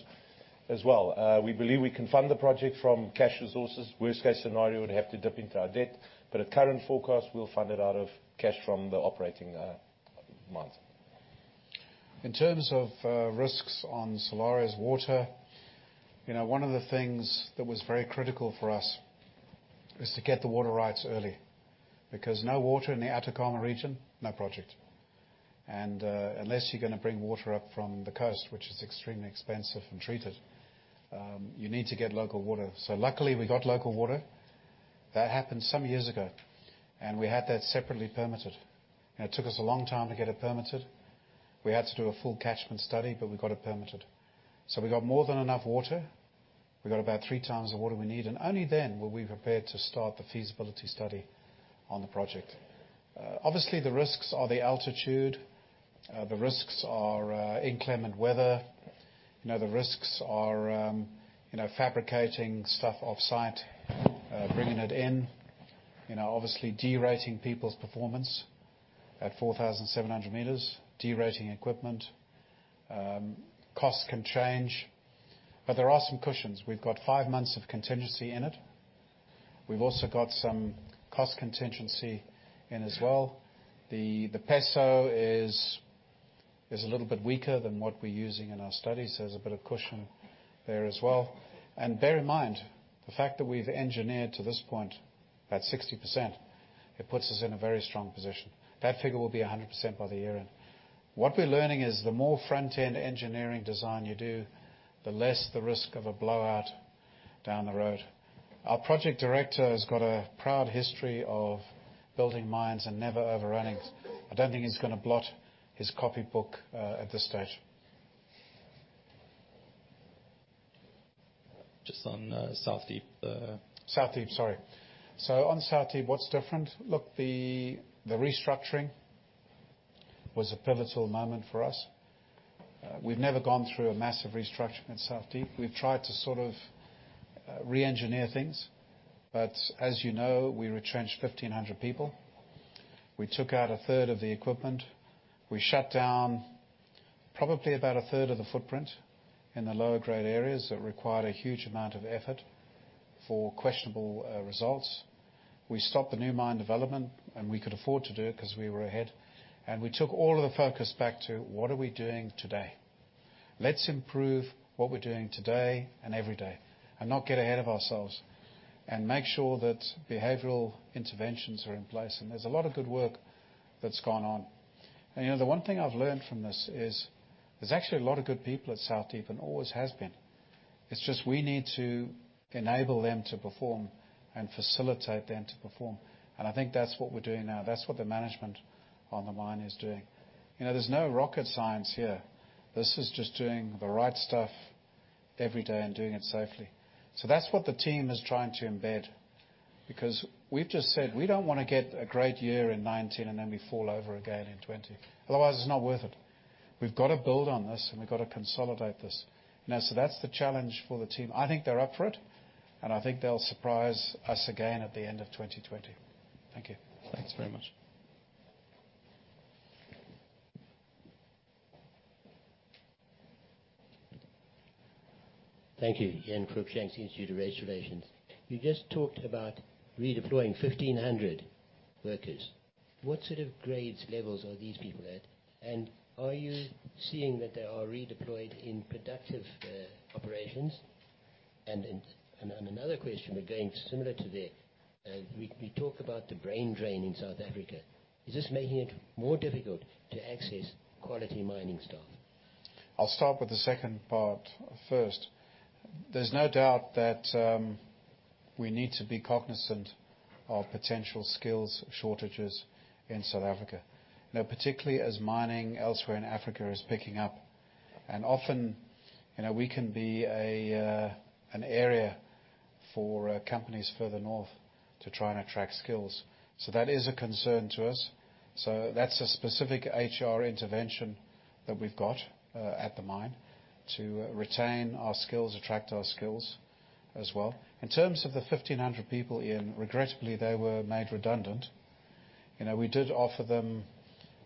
as well. We believe we can fund the project from cash resources. Worst case scenario, we'd have to dip into our debt. At current forecast, we'll fund it out of cash from the operating mines. In terms of risks on Salares water, one of the things that was very critical for us is to get the water rights early, because no water in the Atacama region, no project. Unless you're going to bring water up from the coast, which is extremely expensive and treat it, you need to get local water. Luckily, we got local water. That happened some years ago, and we had that separately permitted. It took us a long time to get it permitted. We had to do a full catchment study, we got it permitted. We got more than enough water. We got about three times the water we need. Only then were we prepared to start the feasibility study on the project. Obviously, the risks are the altitude. The risks are inclement weather. The risks are fabricating stuff offsite, bringing it in. Obviously, de-rating people's performance. At 4,700 m, de-rating equipment. Costs can change, there are some cushions. We've got five months of contingency in it. We've also got some cost contingency in as well. The peso is a little bit weaker than what we're using in our studies, there's a bit of cushion there as well. Bear in mind, the fact that we've engineered to this point, about 60%, it puts us in a very strong position. That figure will be 100% by the year-end. What we're learning is, the more front-end engineering design you do, the less the risk of a blowout down the road. Our project director has got a proud history of building mines and never overrunning. I don't think he's going to blot his copy book at this stage. Just on South Deep. South Deep, sorry. On South Deep, what's different? Look, the restructuring was a pivotal moment for us. We've never gone through a massive restructure at South Deep. We've tried to re-engineer things. As you know, we retrenched 1,500 people. We took out a third of the equipment. We shut down probably about a third of the footprint in the lower grade areas that required a huge amount of effort for questionable results. We stopped the new mine development, and we could afford to do it because we were ahead. We took all of the focus back to, what are we doing today? Let's improve what we're doing today and every day, and not get ahead of ourselves. Make sure that behavioral interventions are in place. There's a lot of good work that's gone on. The one thing I've learned from this is, there's actually a lot of good people at South Deep, and always has been. It's just, we need to enable them to perform and facilitate them to perform. I think that's what we're doing now. That's what the management on the mine is doing. There's no rocket science here. This is just doing the right stuff every day and doing it safely. That's what the team is trying to embed, because we've just said we don't want to get a great year in 2019 and then we fall over again in 2020. Otherwise, it's not worth it. We've got to build on this, and we've got to consolidate this. That's the challenge for the team. I think they're up for it, and I think they'll surprise us again at the end of 2020. Thank you. Thanks very much. Thank you. Ian Cruickshanks, Institute of Race Relations. You just talked about redeploying 1,500 workers. What sort of grade levels are these people at, and are you seeing that they are redeployed in productive operations? Another question, but going similar to there, we talk about the brain drain in South Africa. Is this making it more difficult to access quality mining staff? I'll start with the second part first. There's no doubt that we need to be cognizant of potential skills shortages in South Africa. Particularly as mining elsewhere in Africa is picking up, often, we can be an area for companies further north to try and attract skills. That is a concern to us. That's a specific HR intervention that we've got at the mine to retain our skills, attract our skills as well. In terms of the 1,500 people, Ian, regrettably, they were made redundant. We did offer them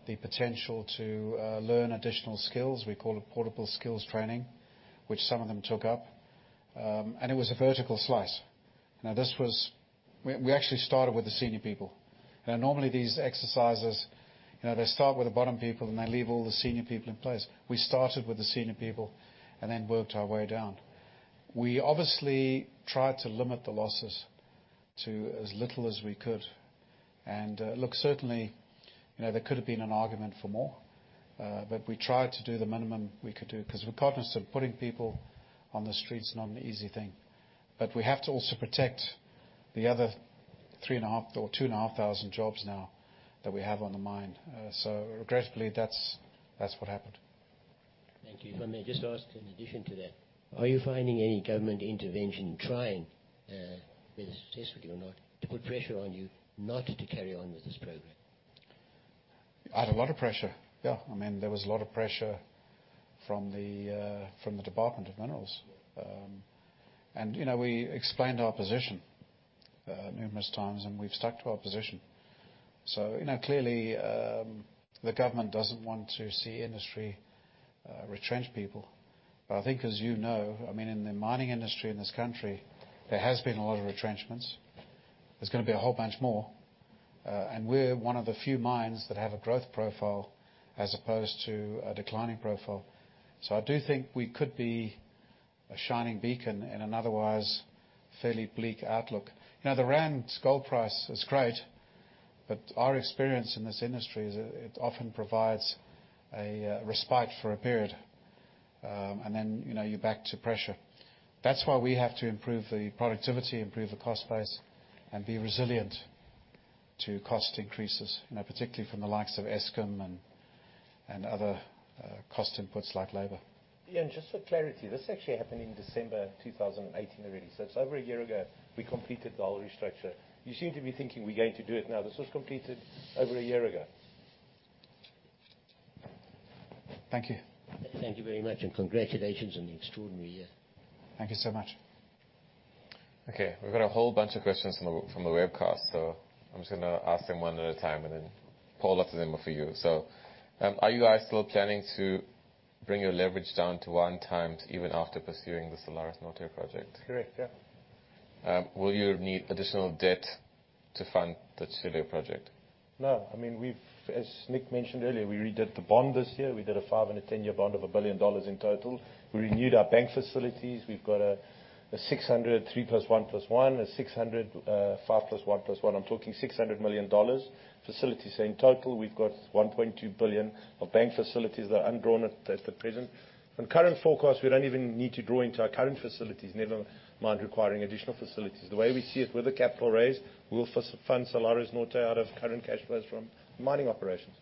the potential to learn additional skills. We call it portable skills training, which some of them took up. It was a vertical slice. We actually started with the senior people. Normally these exercises, they start with the bottom people, they leave all the senior people in place. We started with the senior people and then worked our way down. We obviously tried to limit the losses to as little as we could. Look, certainly, there could have been an argument for more, we tried to do the minimum we could do because we're cognizant putting people on the streets is not an easy thing. We have to also protect the other 2,500 jobs now that we have on the mine. Regrettably, that's what happened. Thank you. If I may just ask in addition to that, are you finding any government intervention trying, whether successfully or not, to put pressure on you not to carry on with this program? I had a lot of pressure. Yeah. There was a lot of pressure from the Department of Minerals. We explained our position numerous times, and we've stuck to our position. Clearly, the government doesn't want to see industry retrench people. I think as you know, in the mining industry in this country, there has been a lot of retrenchments. There's going to be a whole bunch more. We're one of the few mines that have a growth profile as opposed to a declining profile. I do think we could be a shining beacon in an otherwise fairly bleak outlook. Now the rand's gold price is great, but our experience in this industry is it often provides a respite for a period, and then you're back to pressure. That's why we have to improve the productivity, improve the cost base, and be resilient to cost increases, particularly from the likes of Eskom and other cost inputs like labor. Ian, just for clarity, this actually happened in December 2018 already. It's over a year ago, we completed the whole restructure. You seem to be thinking we're going to do it now. This was completed over a year ago. Thank you. Thank you very much, and congratulations on the extraordinary year. Thank you so much. Okay, we've got a whole bunch of questions from the webcast, so I'm just going to ask them one at a time, and then Paul, lots of them are for you. Are you guys still planning to bring your leverage down to one times even after pursuing the Salares Norte project? Correct. Yeah. Will you need additional debt to fund the Chile project? No. As Nick mentioned earlier, we redid the bond this year. We did a five and a 10-year bond of $1 billion in total. We renewed our bank facilities. We've got a 600, 3 + 1 + 1, a 600, 5 + 1 + 1. I'm talking $600 million facilities. In total, we've got $1.2 billion of bank facilities that are undrawn at the present. On current forecast, we don't even need to draw into our current facilities, never mind requiring additional facilities. The way we see it, with the capital raise, we'll fund Salares Norte out of current cash flows from mining operations.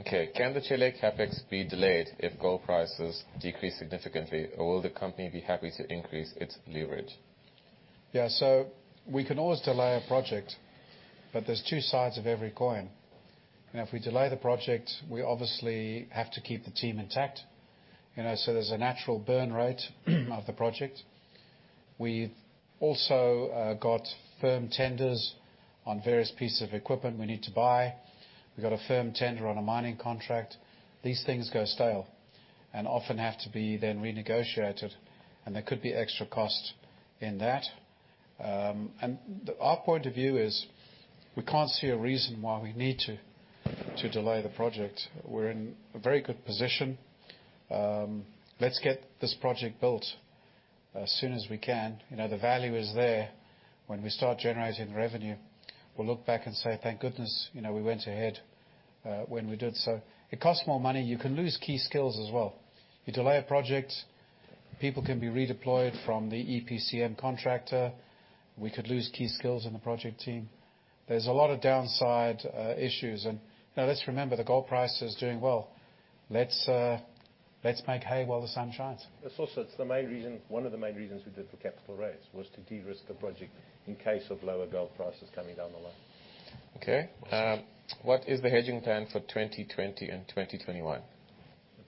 Okay. Can the Chile CapEx be delayed if gold prices decrease significantly, or will the company be happy to increase its leverage? We can always delay a project, but there's two sides of every coin. If we delay the project, we obviously have to keep the team intact. There's a natural burn rate of the project. We also got firm tenders on various pieces of equipment we need to buy. We got a firm tender on a mining contract. These things go stale and often have to be then renegotiated, and there could be extra cost in that. Our point of view is we can't see a reason why we need to delay the project. We're in a very good position. Let's get this project built as soon as we can. The value is there. When we start generating revenue, we'll look back and say, "Thank goodness we went ahead when we did so." It costs more money. You can lose key skills as well. You delay a project, people can be redeployed from the EPCM contractor. We could lose key skills in the project team. There's a lot of downside issues, and let's remember, the gold price is doing well. Let's make hay while the sun shines. It's also one of the main reasons we did the capital raise, was to de-risk the project in case of lower gold prices coming down the line. Okay. What is the hedging plan for 2020 and 2021?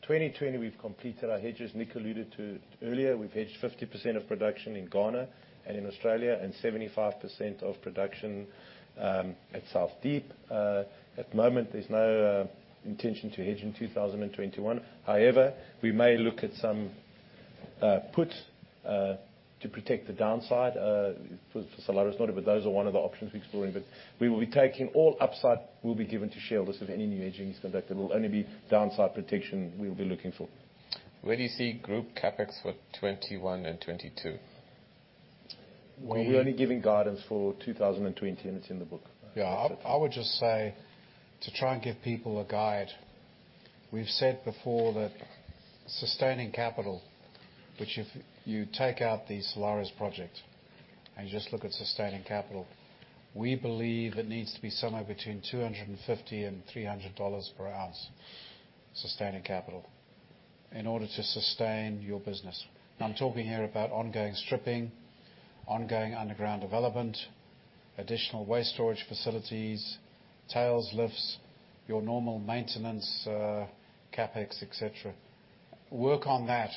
2020, we've completed our hedges. Nick alluded to earlier, we've hedged 50% of production in Ghana and in Australia, and 75% of production at South Deep. At the moment, there's no intention to hedge in 2021. However, we may look at some put to protect the downside for Salares Norte, but those are one of the options we're exploring. We will be taking all upside will be given to shareholders if any new hedging is conducted. It will only be downside protection we'll be looking for. Where do you see group CapEx for 2021 and 2022? We're only giving guidance for 2020, and it's in the book. Yeah. I would just say to try and give people a guide, we've said before that sustaining capital, which if you take out the Salares project and just look at sustaining capital, we believe it needs to be somewhere between $250 and $300 per ounce, sustaining capital, in order to sustain your business. I'm talking here about ongoing stripping, ongoing underground development, additional waste storage facilities, tails lifts, your normal maintenance, CapEx, et cetera. Work on that.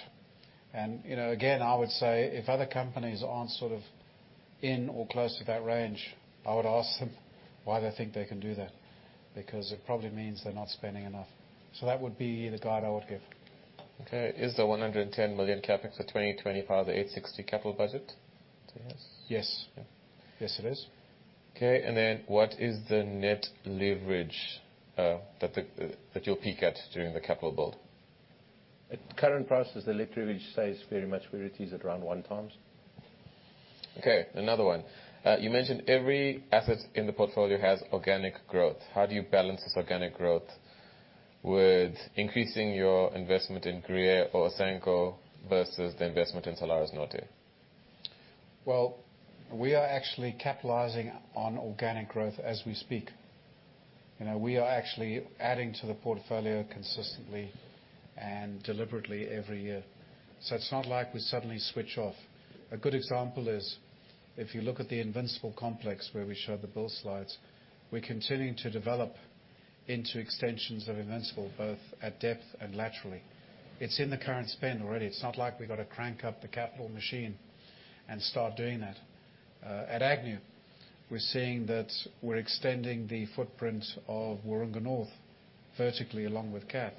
Again, I would say if other companies aren't sort of in or close to that range, I would ask them why they think they can do that, because it probably means they're not spending enough. That would be the guide I would give. Is the $110 million CapEx for 2020 part of the $860 capital budget? Yes. Yes, it is. Okay. What is the net leverage that you'll peak at during the capital build? At current prices, the net leverage stays very much where it is at around 1x. Okay. Another one. You mentioned every asset in the portfolio has organic growth. How do you balance this organic growth with increasing your investment in Gruyere or Asanko versus the investment in Salares Norte? Well, we are actually capitalizing on organic growth as we speak. We are actually adding to the portfolio consistently and deliberately every year. It's not like we suddenly switch off. A good example is if you look at the Invincible complex where we showed the build slides, we're continuing to develop into extensions of Invincible, both at depth and laterally. It's in the current spend already. It's not like we've got to crank up the capital machine and start doing that. At Agnew, we're seeing that we're extending the footprint of Waroonga North vertically along with Kath.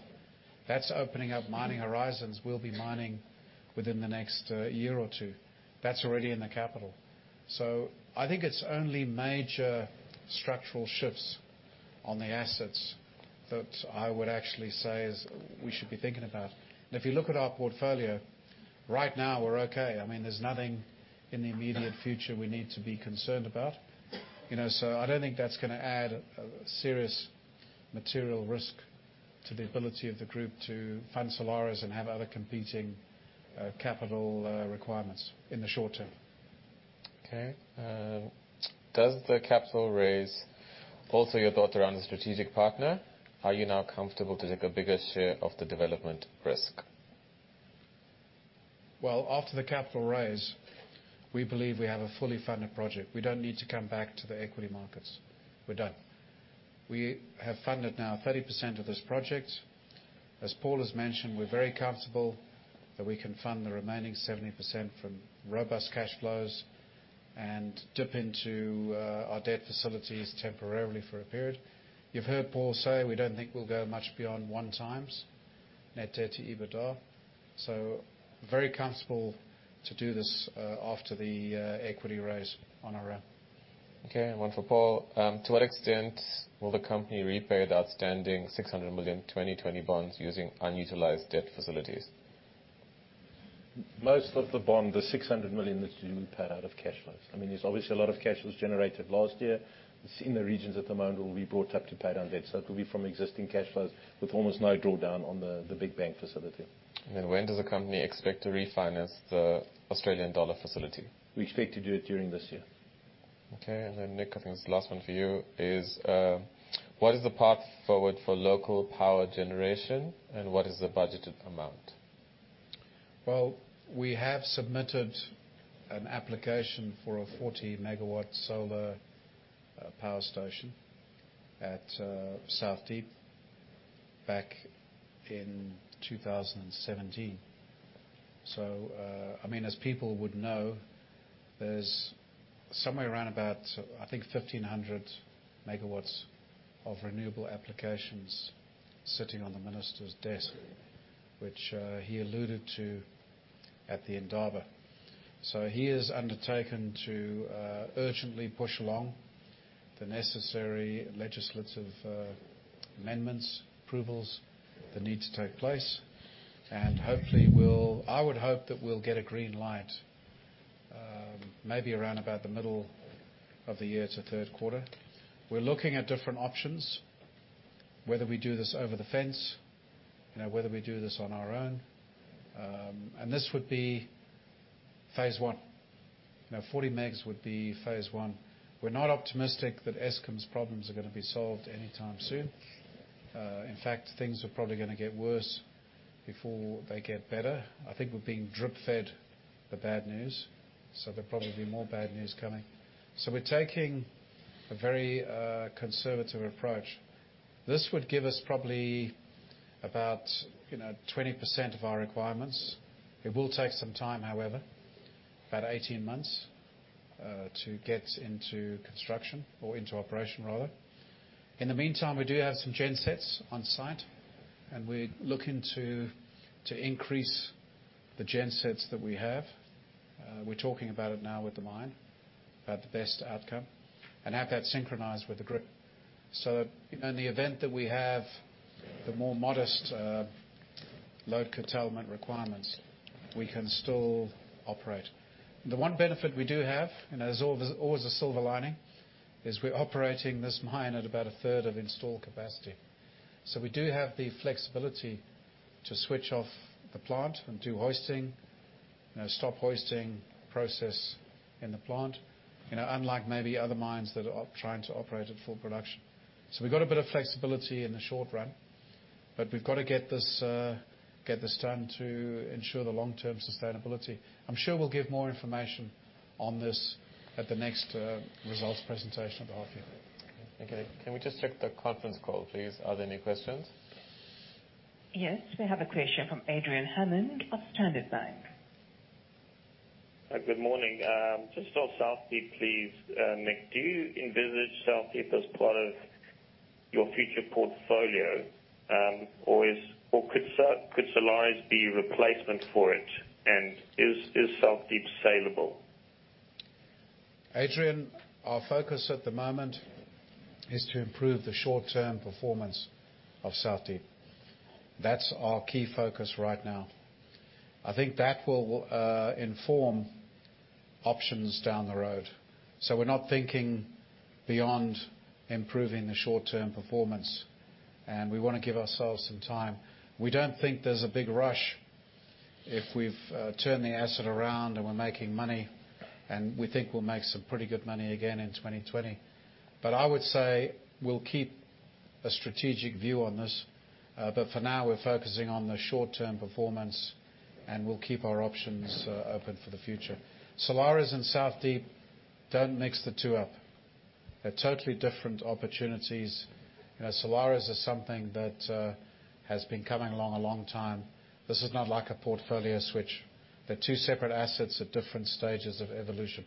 That's opening up mining horizons we'll be mining within the next year or two. That's already in the capital. I think it's only major structural shifts on the assets that I would actually say we should be thinking about. If you look at our portfolio, right now, we're okay. There's nothing in the immediate future we need to be concerned about. I don't think that's going to add a serious material risk to the ability of the group to fund Salares and have other competing capital requirements in the short term. Okay. Does the capital raise alter your thought around a strategic partner? Are you now comfortable to take a bigger share of the development risk? Well, after the capital raise, we believe we have a fully funded project. We don't need to come back to the equity markets. We're done. We have funded now 30% of this project. As Paul has mentioned, we're very comfortable that we can fund the remaining 70% from robust cash flows and dip into our debt facilities temporarily for a period. You've heard Paul say, we don't think we'll go much beyond 1x net debt to EBITDA. Very comfortable to do this after the equity raise on our own. Okay, one for Paul. To what extent will the company repay the outstanding $600 million 2020 bonds using unutilized debt facilities? Most of the bond, the $600 million, is to be paid out of cash flows. There's obviously a lot of cash was generated last year. It's in the regions at the moment will be brought up to pay down debt. It'll be from existing cash flows with almost no drawdown on the big bank facility. When does the company expect to refinance the Australian dollar facility? We expect to do it during this year. Okay. Nick, I think this last one for you is, what is the path forward for local power generation and what is the budgeted amount? Well, we have submitted an application for a 40 MW solar power station at South Deep back in 2017. As people would know, there's somewhere around about, I think 1,500 MW of renewable applications sitting on the minister's desk, which he alluded to at the Indaba. He has undertaken to urgently push along the necessary legislative amendments, approvals that need to take place, and I would hope that we'll get a green light, maybe around about the middle of the year to third quarter. We're looking at different options, whether we do this over the fence, whether we do this on our own. This would be phase I. 40 MW would be phase I. We're not optimistic that Eskom's problems are gonna be solved anytime soon. In fact, things are probably gonna get worse before they get better. I think we're being drip-fed the bad news, there'll probably be more bad news coming. We're taking a very conservative approach. This would give us probably about 20% of our requirements. It will take some time, however, about 18 months, to get into construction or into operation rather. In the meantime, we do have some gensets on site, and we're looking to increase the gensets that we have. We're talking about it now with the mine about the best outcome and have that synchronized with the grid. In the event that we have the more modest load curtailment requirements, we can still operate. The one benefit we do have, there's always a silver lining, is we're operating this mine at about a third of installed capacity. We do have the flexibility to switch off the plant and do hoisting, stop hoisting process in the plant, unlike maybe other mines that are trying to operate at full production. We've got a bit of flexibility in the short run, but we've got to get this done to ensure the long-term sustainability. I'm sure we'll give more information on this at the next results presentation to all of you. Okay. Can we just check the conference call, please? Are there any questions? Yes, we have a question from Adrian Hammond of Standard Bank. Good morning. Just on South Deep, please. Nick, do you envisage South Deep as part of your future portfolio? Could Salares be replacement for it? Is South Deep saleable? Adrian, our focus at the moment is to improve the short-term performance of South Deep. That's our key focus right now. I think that will inform options down the road. We're not thinking beyond improving the short-term performance, and we want to give ourselves some time. We don't think there's a big rush if we've turned the asset around and we're making money, and we think we'll make some pretty good money again in 2020. I would say we'll keep a strategic view on this. For now, we're focusing on the short-term performance, and we'll keep our options open for the future. Salares and South Deep, don't mix the two up. They're totally different opportunities. Salares is something that has been coming along a long time. This is not like a portfolio switch. They're two separate assets at different stages of evolution.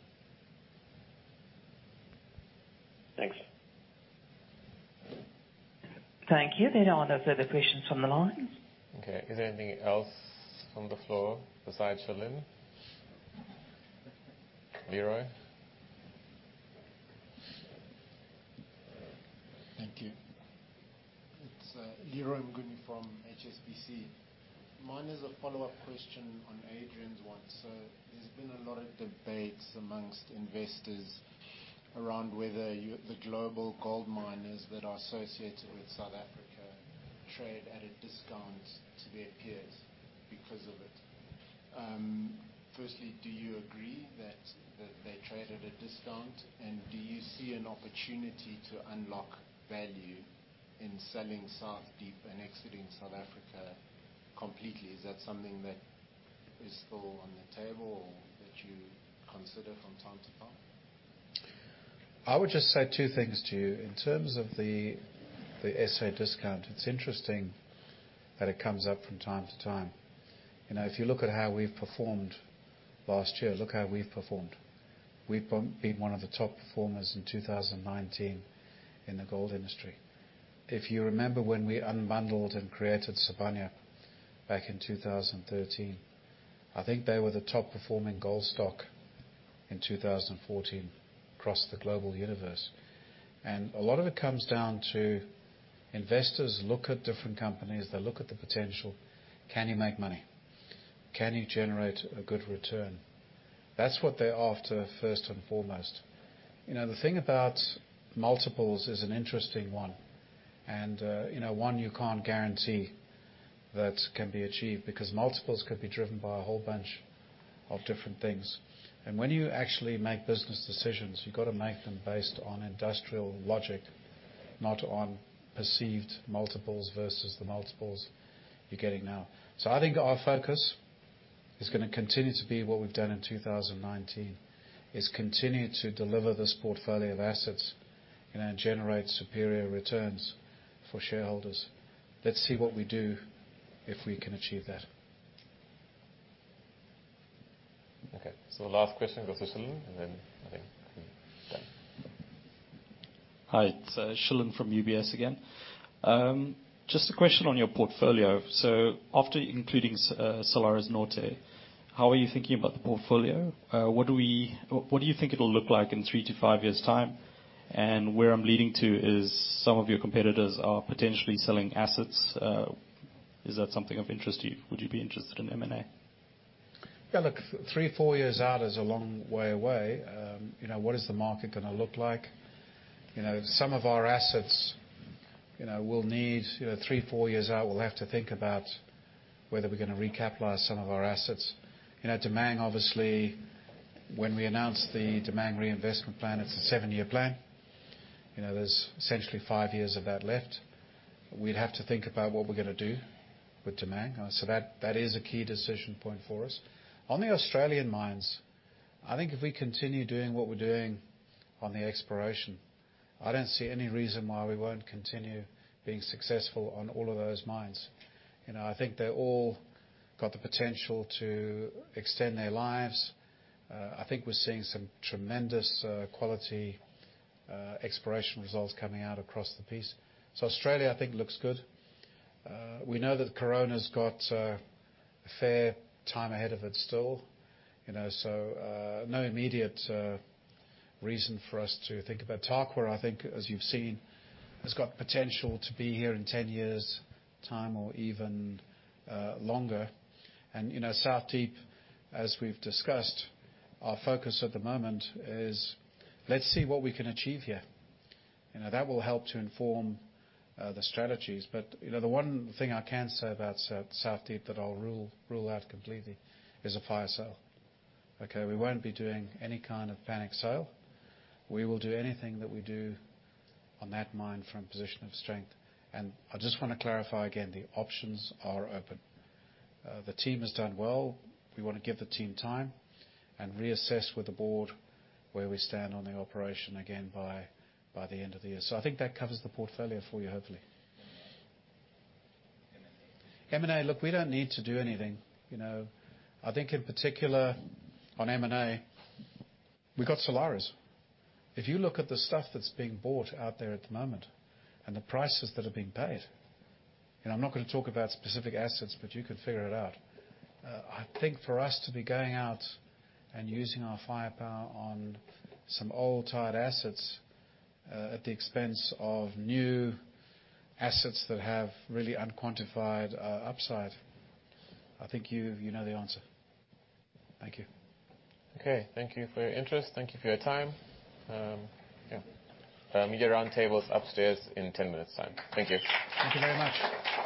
Thanks. Thank you. There are no other further questions from the line. Okay. Is there anything else from the floor besides Shilan? Leroy? Thank you. It's Leroy Mnguni from HSBC. Mine is a follow-up question on Adrian's one. There's been a lot of debates amongst investors around whether the global gold miners that are associated with South Africa trade at a discount to their peers because of it. Firstly, do you agree that they trade at a discount? Do you see an opportunity to unlock value in selling South Deep and exiting South Africa completely? Is that something that is still on the table or that you consider from time to time? I would just say two things to you. In terms of the SA discount, it's interesting that it comes up from time to time. If you look at how we've performed last year, look how we've performed. We've been one of the top performers in 2019 in the gold industry. If you remember when we unbundled and created Sibanye back in 2013, I think they were the top-performing gold stock in 2014 across the global universe. A lot of it comes down to investors look at different companies, they look at the potential. Can you make money? Can you generate a good return? That's what they're after, first and foremost. The thing about multiples is an interesting one, and one you can't guarantee that can be achieved, because multiples could be driven by a whole bunch of different things. When you actually make business decisions, you've got to make them based on industrial logic, not on perceived multiples versus the multiples you're getting now. I think our focus is going to continue to be what we've done in 2019, is continue to deliver this portfolio of assets and generate superior returns for shareholders. Let's see what we do if we can achieve that. Okay. The last question goes to Shilan, and then I think we're done. Hi, it's Shilan from UBS again. Just a question on your portfolio. After including Salares Norte, how are you thinking about the portfolio? What do you think it'll look like in three to five years' time? Where I'm leading to is some of your competitors are potentially selling assets. Is that something of interest to you? Would you be interested in M&A? Yeah, look, three, four years out is a long way away. What is the market going to look like? Some of our assets, three, four years out, we'll have to think about whether we're going to recapitalize some of our assets. Damang, obviously, when we announced the Damang reinvestment plan, it's a seven-year plan. There's essentially five years of that left. We'd have to think about what we're going to do with Damang. That is a key decision point for us. On the Australian mines, I think if we continue doing what we're doing on the exploration, I don't see any reason why we won't continue being successful on all of those mines. I think they all got the potential to extend their lives. I think we're seeing some tremendous quality exploration results coming out across the piece. Australia, I think, looks good. We know that Corona's got a fair time ahead of it still, so no immediate reason for us to think about. Tarkwa, I think, as you've seen, has got potential to be here in 10 years' time or even longer. South Deep, as we've discussed, our focus at the moment is, let's see what we can achieve here. That will help to inform the strategies. The one thing I can say about South Deep that I'll rule out completely is a fire sale. Okay. We won't be doing any kind of panic sale. We will do anything that we do on that mine from a position of strength. I just want to clarify again, the options are open. The team has done well. We want to give the team time and reassess with the board where we stand on the operation again by the end of the year. I think that covers the portfolio for you, hopefully. M&A? M&A, look, we don't need to do anything. I think in particular on M&A, we got Salares. If you look at the stuff that's being bought out there at the moment and the prices that are being paid, and I'm not going to talk about specific assets, but you can figure it out. I think for us to be going out and using our firepower on some old, tired assets, at the expense of new assets that have really unquantified upside, I think you know the answer. Thank you. Okay. Thank you for your interest. Thank you for your time. Yeah. Media roundtable's upstairs in 10 minutes' time. Thank you. Thank you very much.